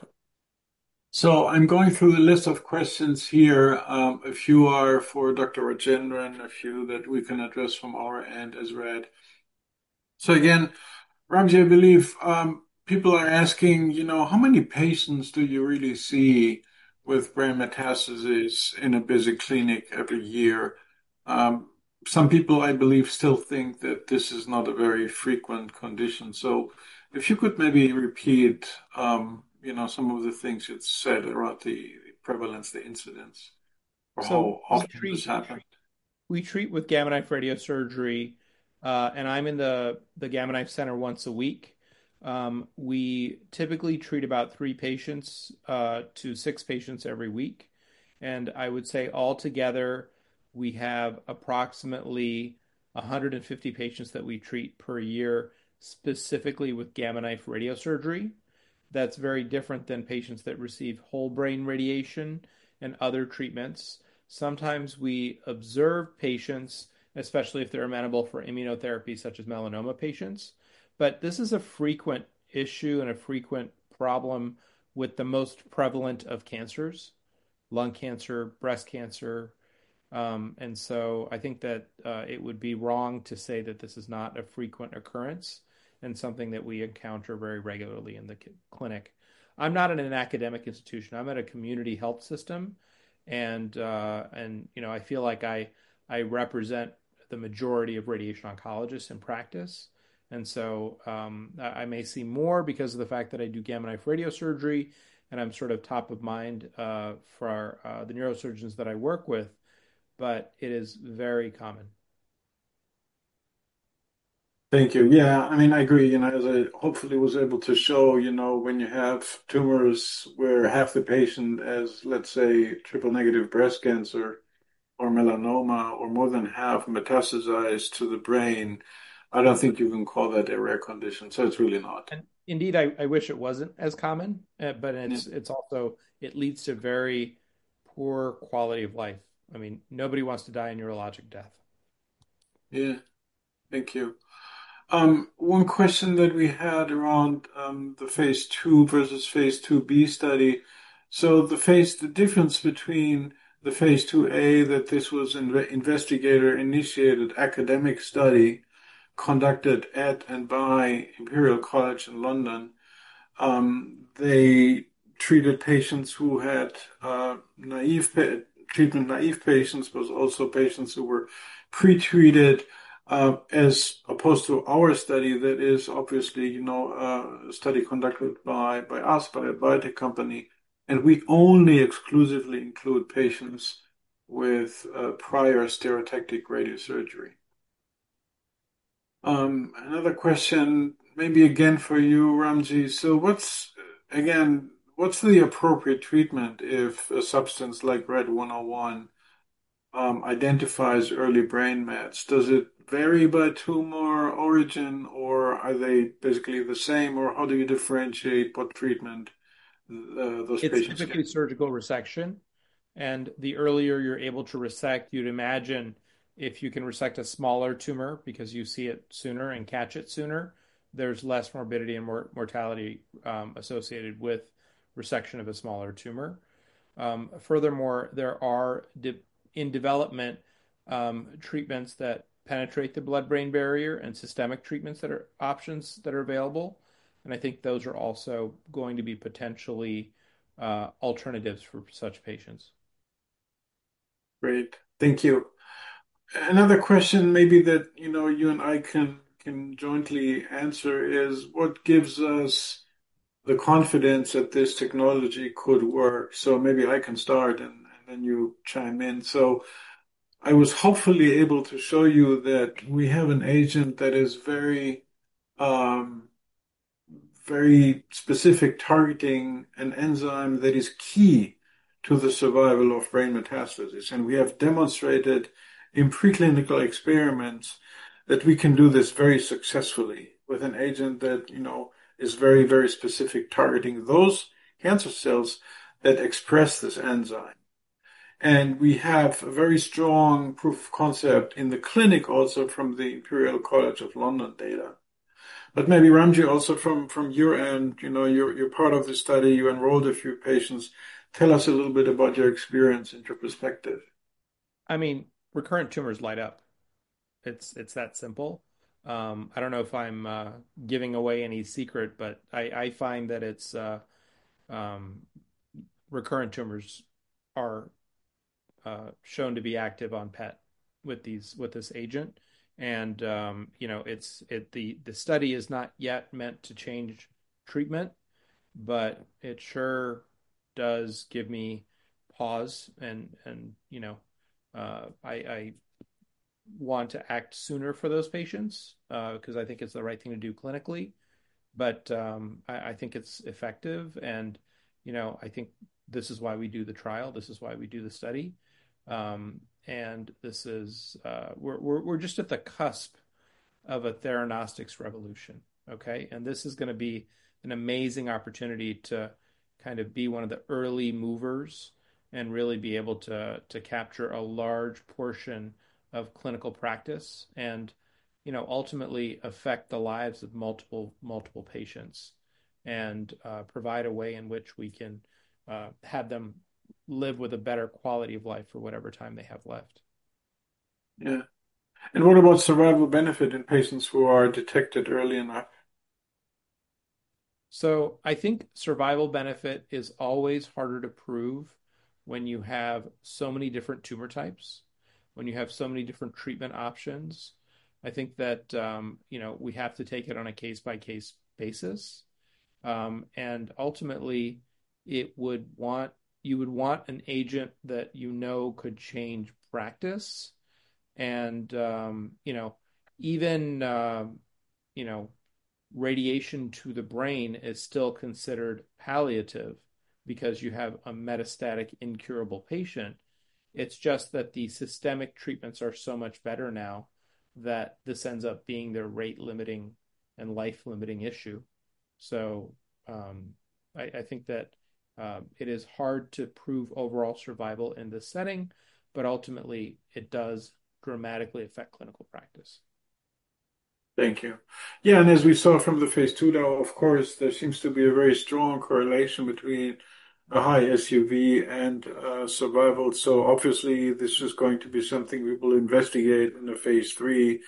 S1: So I'm going through the list of questions here. A few are for Dr. Rajendran, a few that we can address from our end as read. So again, Ramji, I believe people are asking, you know, how many patients do you really see with brain metastasis in a busy clinic every year? Some people, I believe, still think that this is not a very frequent condition. So if you could maybe repeat some of the things you've said around the prevalence, the incidence,
S2: How often this happens. We treat with Gamma Knife Radiosurgery, and I'm in the Gamma Knife Center once a week. We typically treat about three patients to six patients every week. And I would say altogether, we have approximately 150 patients that we treat per year specifically with Gamma Knife Radiosurgery. That's very different than patients that receive whole brain radiation and other treatments. Sometimes we observe patients, especially if they're amenable for immunotherapy such as melanoma patients. But this is a frequent issue and a frequent problem with the most prevalent of cancers, lung cancer, breast cancer. And so I think that it would be wrong to say that this is not a frequent occurrence and something that we encounter very regularly in the clinic. I'm not in an academic institution. I'm at a community health system. And I feel like I represent the majority of radiation oncologists in practice. And so I may see more because of the fact that I do Gamma Knife Radiosurgery and I'm sort of top of mind for the neurosurgeons that I work with, but it is very common.
S1: Thank you. Yeah. I mean, I agree. As I hopefully was able to show, when you have tumors where half the patient has, let's say, triple-negative breast cancer or melanoma or more than half metastasized to the brain, I don't think you can call that a rare condition. So it's really not.
S2: And indeed, I wish it wasn't as common, but it's also it leads to very poor quality of life. I mean, nobody wants to die a neurologic death.
S1: Yeah. Thank you. One question that we had around the phase two versus phase two B study. So the difference between the phase two A, that this was an investigator-initiated academic study conducted at and by Imperial College London. They treated patients who had treatment-naive patients, but also patients who were pretreated as opposed to our study that is obviously a study conducted by us, by a biotech company. We only exclusively include patients with prior stereotactic radiosurgery. Another question, maybe again for you, Ramji. What's the appropriate treatment if a substance like RAD-101 identifies early brain mets? Does it vary by tumor origin, or are they basically the same, or how do you differentiate what treatment those patients need?
S2: It's typically surgical resection. The earlier you're able to resect, you'd imagine if you can resect a smaller tumor because you see it sooner and catch it sooner, there's less morbidity and mortality associated with resection of a smaller tumor. Furthermore, there are in development treatments that penetrate the blood-brain barrier and systemic treatments that are options that are available. I think those are also going to be potentially alternatives for such patients. Great. Thank you.
S1: Another question maybe that you and I can jointly answer is what gives us the confidence that this technology could work? So maybe I can start and then you chime in. So I was hopefully able to show you that we have an agent that is very specific targeting an enzyme that is key to the survival of brain metastasis. And we have demonstrated in preclinical experiments that we can do this very successfully with an agent that is very, very specific targeting those cancer cells that express this enzyme. And we have a very strong proof of concept in the clinic also from the Imperial College London data. But maybe, Ramji, also from your end, you're part of the study. You enrolled a few patients. Tell us a little bit about your experience and your perspective.
S2: I mean, recurrent tumors light up. It's that simple. I don't know if I'm giving away any secret, but I find that recurrent tumors are shown to be active on PET with this agent, and the study is not yet meant to change treatment, but it sure does give me pause, and I want to act sooner for those patients because I think it's the right thing to do clinically, but I think it's effective, and I think this is why we do the trial, this is why we do the study, and we're just at the cusp of a theranostics revolution, okay? This is going to be an amazing opportunity to kind of be one of the early movers and really be able to capture a large portion of clinical practice and ultimately affect the lives of multiple patients and provide a way in which we can have them live with a better quality of life for whatever time they have left.
S1: Yeah. What about survival benefit in patients who are detected early enough?
S2: I think survival benefit is always harder to prove when you have so many different tumor types, when you have so many different treatment options. I think that we have to take it on a case-by-case basis. Ultimately, you would want an agent that you know could change practice. Even radiation to the brain is still considered palliative because you have a metastatic incurable patient. It's just that the systemic treatments are so much better now that this ends up being their rate-limiting and life-limiting issue. So I think that it is hard to prove overall survival in this setting, but ultimately, it does dramatically affect clinical practice.
S1: Thank you. Yeah, and as we saw from the phase two now, of course, there seems to be a very strong correlation between a high SUV and survival. So obviously, this is going to be something we will investigate in the phase three.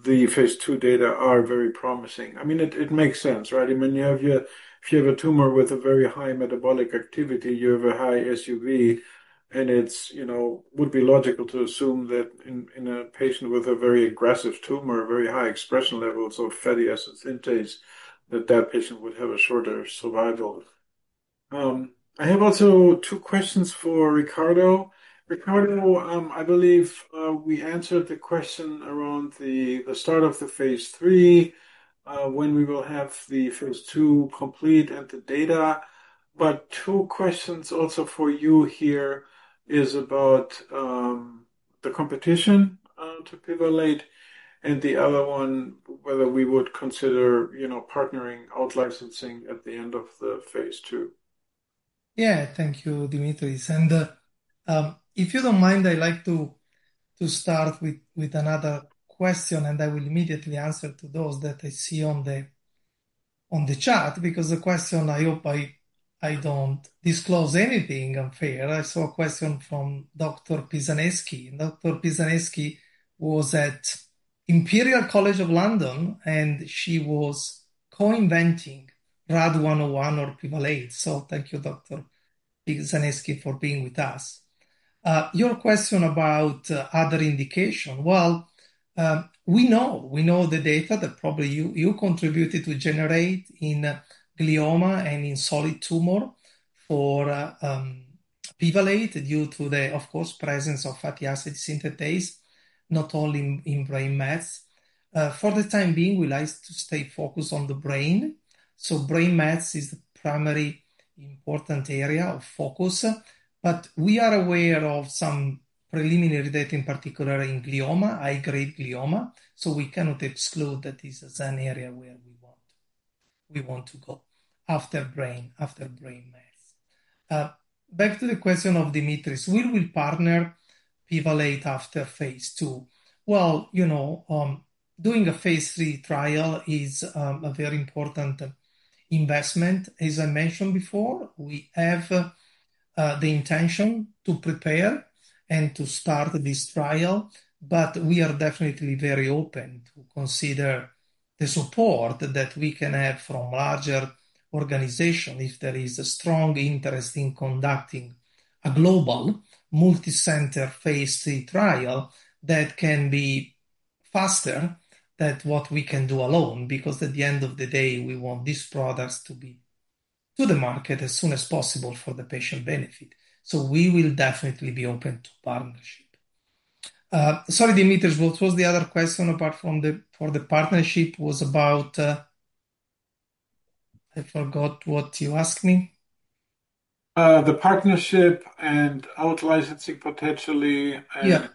S1: The phase two data are very promising. I mean, it makes sense, right? I mean, if you have a tumor with a very high metabolic activity, you have a high SUV, and it would be logical to assume that in a patient with a very aggressive tumor, very high expression levels of fatty acids intake, that that patient would have a shorter survival. I have also two questions for Riccardo. Riccardo, I believe we answered the question around the start of the phase three when we will have the phase two complete and the data. But two questions also for you. Here is about the competition to Pivalate and the other one, whether we would consider partnering out licensing at the end of the phase two.
S3: Yeah. Thank you, Dimitris. If you don't mind, I'd like to start with another question, and I will immediately answer to those that I see on the chat because the question, I hope I don't disclose anything unfair. I saw a question from Dr. Pisaneschi. Dr. Pisaneschi was at Imperial College London, and she was co-inventing RAD-101 or Pivalate. So thank you, Dr. Pisaneschi, for being with us. Your question about other indication, well, we know the data that probably you contributed to generate in glioma and in solid tumor for Pivalate due to the, of course, presence of fatty acid synthase, not only in brain mets. For the time being, we like to stay focused on the brain. Brain mets is the primary important area of focus. But we are aware of some preliminary data in particular in glioma, high-grade glioma. We cannot exclude that this is an area where we want to go after brain mets. Back to the question of Dimitris, will we partner Pivalate after phase two? Doing a phase three trial is a very important investment. As I mentioned before, we have the intention to prepare and to start this trial, but we are definitely very open to consider the support that we can have from larger organizations if there is a strong interest in conducting a global multi-center phase three trial that can be faster than what we can do alone because at the end of the day, we want these products to be to the market as soon as possible for the patient benefit. So we will definitely be open to partnership. Sorry, Dimitris, what was the other question apart from the partnership? Was about I forgot what you asked me.
S1: The partnership and out licensing potentially and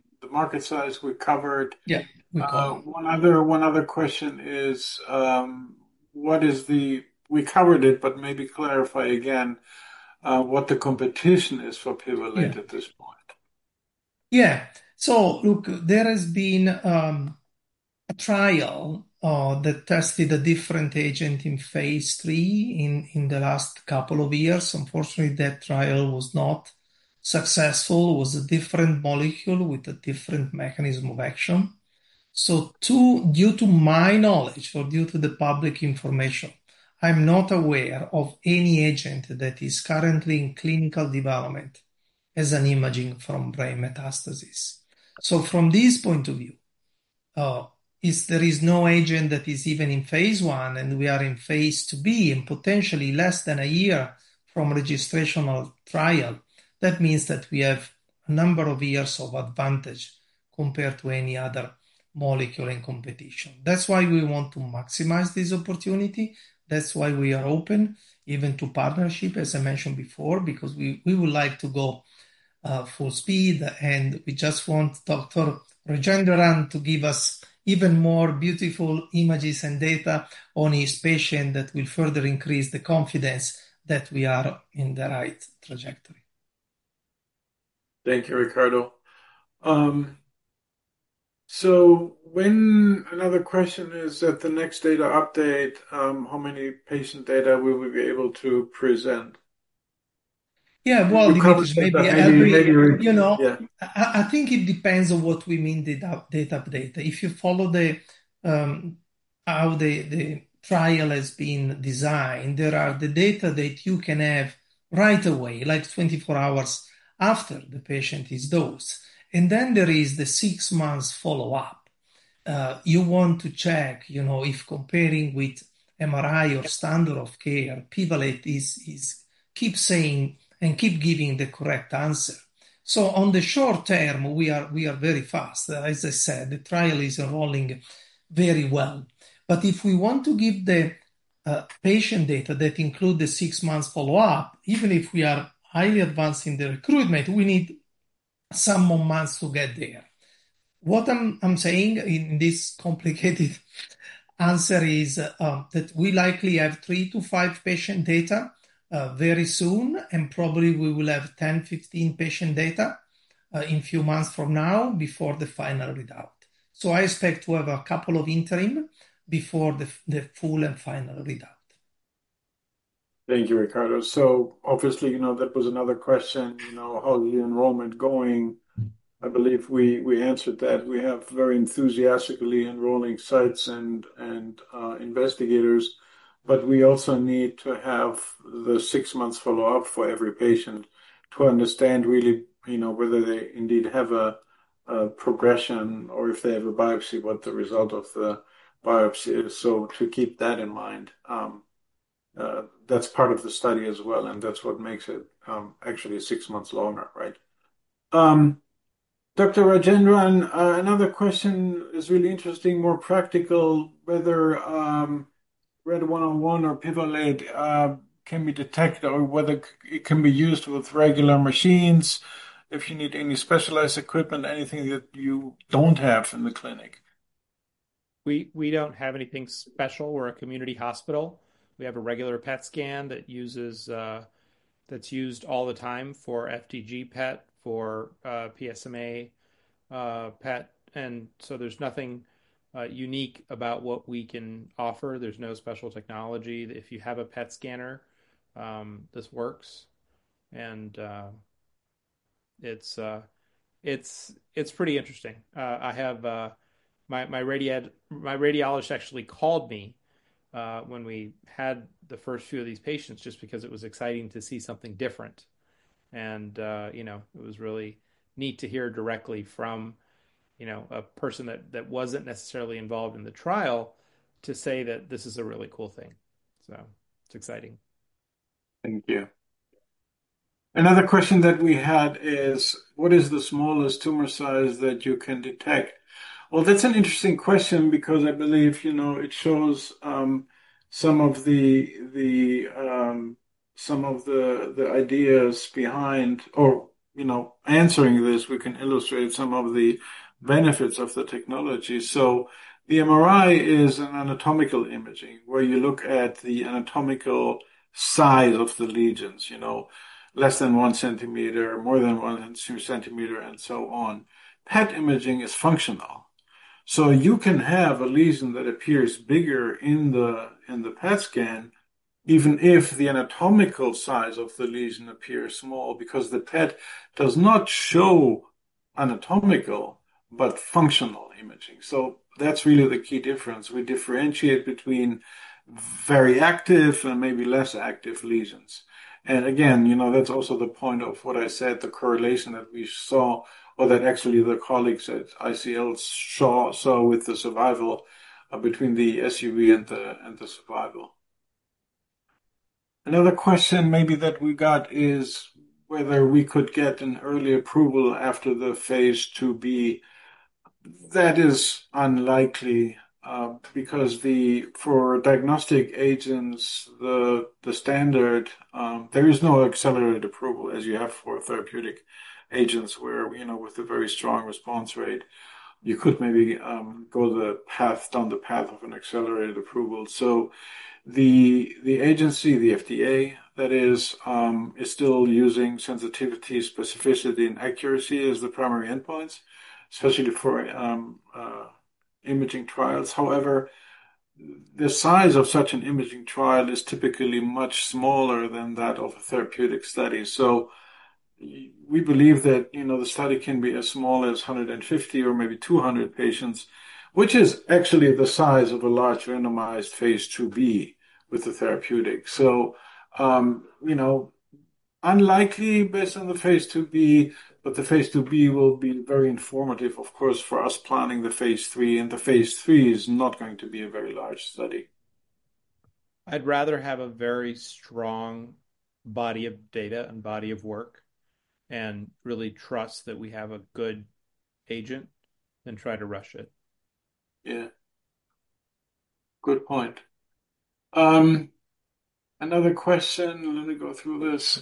S1: the market size we covered.
S3: Yeah.
S1: One other question is, what is the we covered it, but maybe clarify again what the competition is for Pivalate at this point. Yeah.
S3: So look, there has been a trial that tested a different agent in phase three in the last couple of years. Unfortunately, that trial was not successful. It was a different molecule with a different mechanism of action. So due to my knowledge or due to the public information, I'm not aware of any agent that is currently in clinical development as an imaging from brain metastasis. So from this point of view, if there is no agent that is even in phase one and we are in phase two B and potentially less than a year from registration or trial, that means that we have a number of years of advantage compared to any other molecule in competition. That's why we want to maximize this opportunity. That's why we are open even to partnership, as I mentioned before, because we would like to go full speed. We just want Dr. Rajendran to give us even more beautiful images and data on his patient that will further increase the confidence that we are in the right trajectory.
S1: Thank you, Riccardo. So another question is that the next data update, how many patient data will we be able to present?
S3: Yeah. Well, Dimitris, maybe I agree. I think it depends on what we mean data update. If you follow how the trial has been designed, there are the data that you can have right away, like 24 hours after the patient is dosed. And then there is the six-month follow-up. You want to check if comparing with MRI or standard of care, Pivalate keeps saying and keeps giving the correct answer. So on the short term, we are very fast. As I said, the trial is evolving very well. But if we want to give the patient data that includes the six-month follow-up, even if we are highly advanced in the recruitment, we need some more months to get there. What I'm saying in this complicated answer is that we likely have three to five patient data very soon, and probably we will have 10, 15 patient data in a few months from now before the final readout. So I expect to have a couple of interim before the full and final readout.
S2: Thank you, Riccardo. So obviously, that was another question. How's the enrollment going? I believe we answered that. We have very enthusiastically enrolling sites and investigators. But we also need to have the six-month follow-up for every patient to understand really whether they indeed have a progression or if they have a biopsy, what the result of the biopsy is. So to keep that in mind, that's part of the study as well. And that's what makes it actually six months longer, right?
S1: Dr. Rajendran, another question is really interesting, more practical, whether RAD-101 or Pivalate can be detected or whether it can be used with regular machines, if you need any specialized equipment, anything that you don't have in the clinic.
S2: We don't have anything special. We're a community hospital. We have a regular PET scan that's used all the time for FDG PET, for PSMA PET. And so there's nothing unique about what we can offer. There's no special technology. If you have a PET scanner, this works. And it's pretty interesting. My radiologist actually called me when we had the first few of these patients just because it was exciting to see something different. It was really neat to hear directly from a person that wasn't necessarily involved in the trial to say that this is a really cool thing. It's exciting. Thank you.
S1: Another question that we had is, what is the smallest tumor size that you can detect? That's an interesting question because I believe it shows some of the ideas behind. Or, answering this, we can illustrate some of the benefits of the technology. The MRI is an anatomical imaging where you look at the anatomical size of the lesions, less than one centimeter, more than one centimeter, and so on. PET imaging is functional. You can have a lesion that appears bigger in the PET scan even if the anatomical size of the lesion appears small because the PET does not show anatomical but functional imaging. That's really the key difference. We differentiate between very active and maybe less active lesions. And again, that's also the point of what I said, the correlation that we saw or that actually the colleagues at ICL saw with the survival between the SUV and the survival. Another question maybe that we got is whether we could get an early approval after the phase two B. That is unlikely because for diagnostic agents, the standard, there is no accelerated approval as you have for therapeutic agents with a very strong response rate. You could maybe go down the path of an accelerated approval. So the agency, the FDA, that is, is still using sensitivity, specificity, and accuracy as the primary endpoints, especially for imaging trials. However, the size of such an imaging trial is typically much smaller than that of a therapeutic study. So we believe that the study can be as small as 150 or maybe 200 patients, which is actually the size of a large randomized phase two B with the therapeutic. So unlikely based on the phase two B, but the phase two B will be very informative, of course, for us planning the phase three, and the phase three is not going to be a very large study.
S2: I'd rather have a very strong body of data and body of work and really trust that we have a good agent than try to rush it.
S1: Yeah. Good point. Another question. Let me go through this.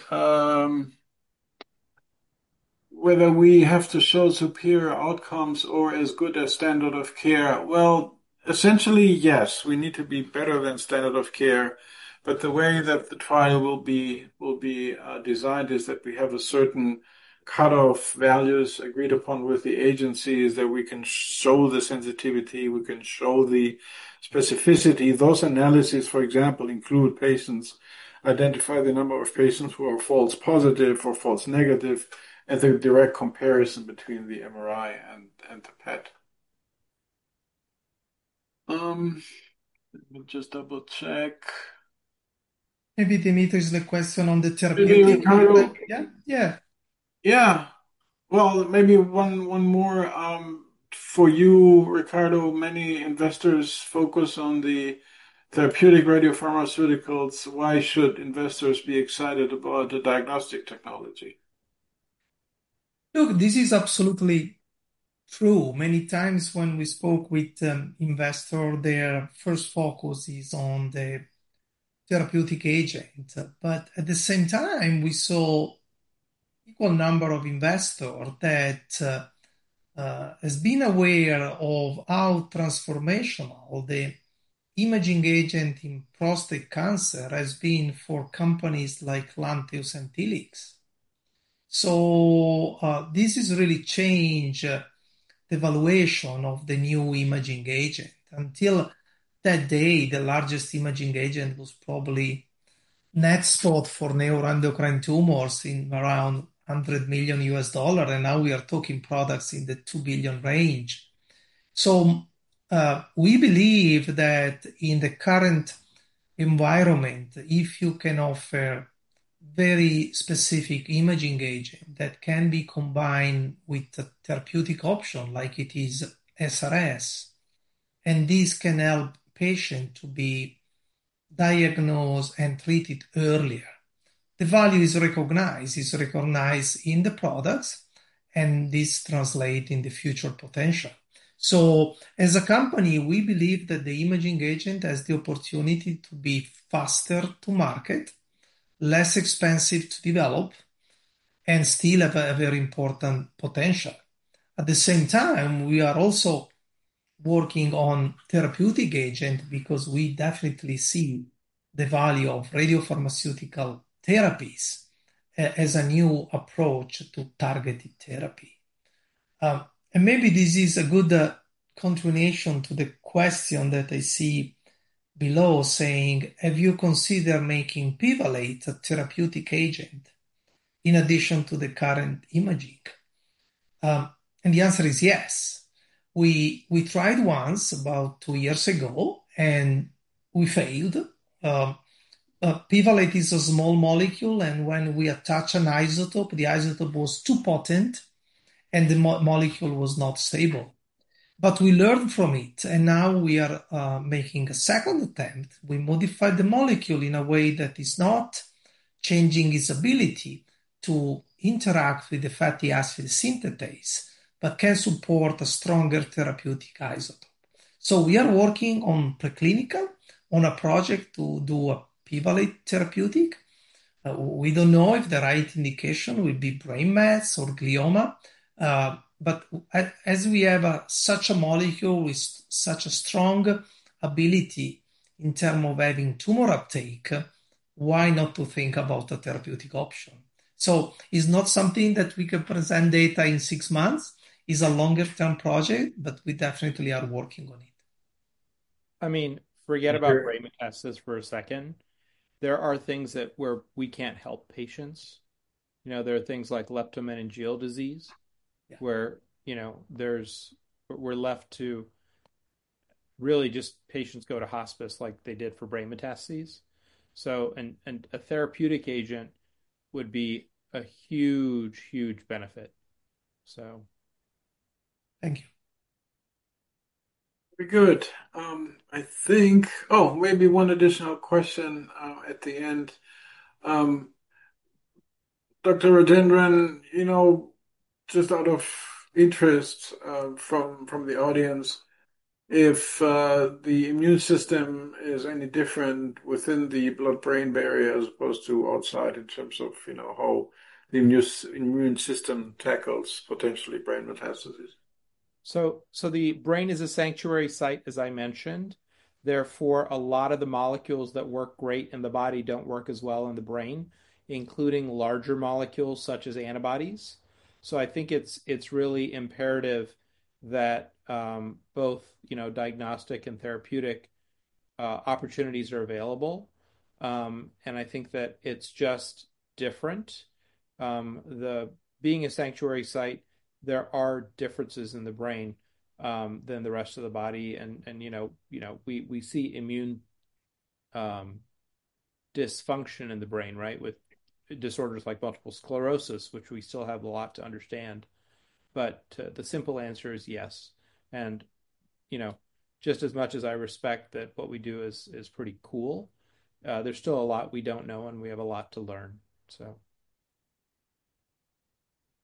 S1: Whether we have to show superior outcomes or as good as standard of care? Well, essentially, yes, we need to be better than standard of care. But the way that the trial will be designed is that we have certain cutoff values agreed upon with the agencies that we can show the sensitivity. We can show the specificity. Those analyses, for example, include patients identify the number of patients who are false positive or false negative and the direct comparison between the MRI and the PET. Let me just double-check.
S3: Maybe, Dimitris, the question on the therapeutic side. Yeah. Yeah.
S1: Yeah.Well, maybe one more for you, Riccardo. Many investors focus on the therapeutic radiopharmaceuticals. Why should investors be excited about the diagnostic technology?
S3: Look, this is absolutely true. Many times when we spoke with investors, their first focus is on the therapeutic agent. But at the same time, we saw an equal number of investors that have been aware of how transformational the imaging agent in prostate cancer has been for companies like Lantheus and Telix. So this is really changing the valuation of the new imaging agent. Until that day, the largest imaging agent was probably NetSpot for neuroendocrine tumors in around $100 million. And now we are talking products in the $2 billion range. So we believe that in the current environment, if you can offer a very specific imaging agent that can be combined with a therapeutic option like it is SRS, and this can help patients to be diagnosed and treated earlier, the value is recognized. It's recognized in the products, and this translates in the future potential. As a company, we believe that the imaging agent has the opportunity to be faster to market, less expensive to develop, and still have a very important potential. At the same time, we are also working on therapeutic agents because we definitely see the value of radiopharmaceutical therapies as a new approach to targeted therapy. And maybe this is a good continuation to the question that I see below saying, have you considered making Pivalate a therapeutic agent in addition to the current imaging? And the answer is yes. We tried once about two years ago, and we failed. Pivalate is a small molecule, and when we attach an isotope, the isotope was too potent, and the molecule was not stable. But we learned from it, and now we are making a second attempt. We modified the molecule in a way that is not changing its ability to interact with the fatty acid synthase, but can support a stronger therapeutic isotope, so we are working on preclinical on a project to do a Pivalate therapeutic. We don't know if the right indication will be brain mets or glioma, but as we have such a molecule with such a strong ability in terms of having tumor uptake, why not to think about a therapeutic option, so it's not something that we can present data in six months. It's a longer-term project, but we definitely are working on it.
S1: I mean, forget about brain metastasis for a second. There are things where we can't help patients. There are things like leptomeningeal disease where we're left to really just patients go to hospice like they did for brain metastases. A therapeutic agent would be a huge, huge benefit, so. Thank you. Very good. I think, oh, maybe one additional question at the end. Dr. Rajendran, just out of interest from the audience, if the immune system is any different within the blood-brain barrier as opposed to outside in terms of how the immune system tackles potentially brain metastasis.
S2: So the brain is a sanctuary site, as I mentioned. Therefore, a lot of the molecules that work great in the body don't work as well in the brain, including larger molecules such as antibodies. So I think it's really imperative that both diagnostic and therapeutic opportunities are available. And I think that it's just different. Being a sanctuary site, there are differences in the brain than the rest of the body. And we see immune dysfunction in the brain, right, with disorders like multiple sclerosis, which we still have a lot to understand. But the simple answer is yes. And just as much as I respect that what we do is pretty cool, there's still a lot we don't know, and we have a lot to learn, so.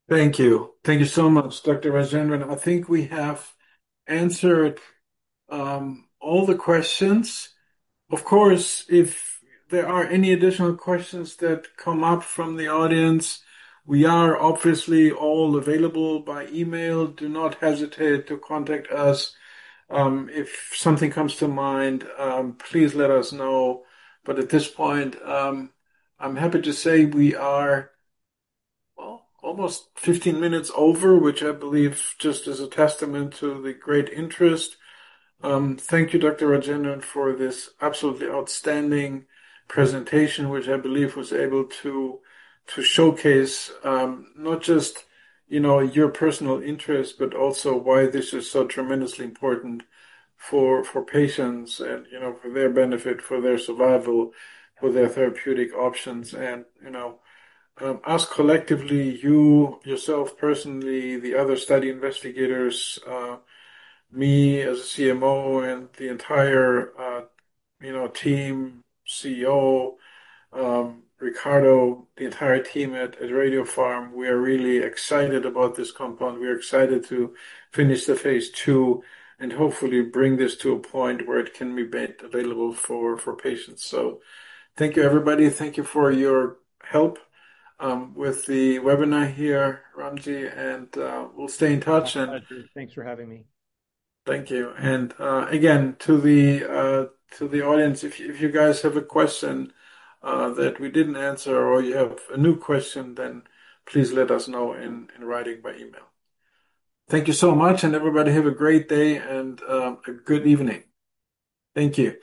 S1: Thank you. Thank you so much, Dr. Rajendran. I think we have answered all the questions. Of course, if there are any additional questions that come up from the audience, we are obviously all available by email. Do not hesitate to contact us. If something comes to mind, please let us know. But at this point, I'm happy to say we are, well, almost 15 minutes over, which I believe just is a testament to the great interest. Thank you, Dr.Rajendran Rajendran, for this absolutely outstanding presentation, which I believe was able to showcase not just your personal interest, but also why this is so tremendously important for patients and for their benefit, for their survival, for their therapeutic options, and us collectively, you, yourself, personally, the other study investigators, me as a CMO, and the entire team, CEO, Riccardo, the entire team at Radiopharm, we are really excited about this compound. We are excited to finish the phase two and hopefully bring this to a point where it can be made available for patients. So thank you, everybody. Thank you for your help with the webinar here, Ramji, and we'll stay in touch.
S2: Thanks for having me. Thank you, and again, to the audience, if you guys have a question that we didn't answer or you have a new question, then please let us know in writing by email. Thank you so much. And everybody, have a great day and a good evening. Thank you.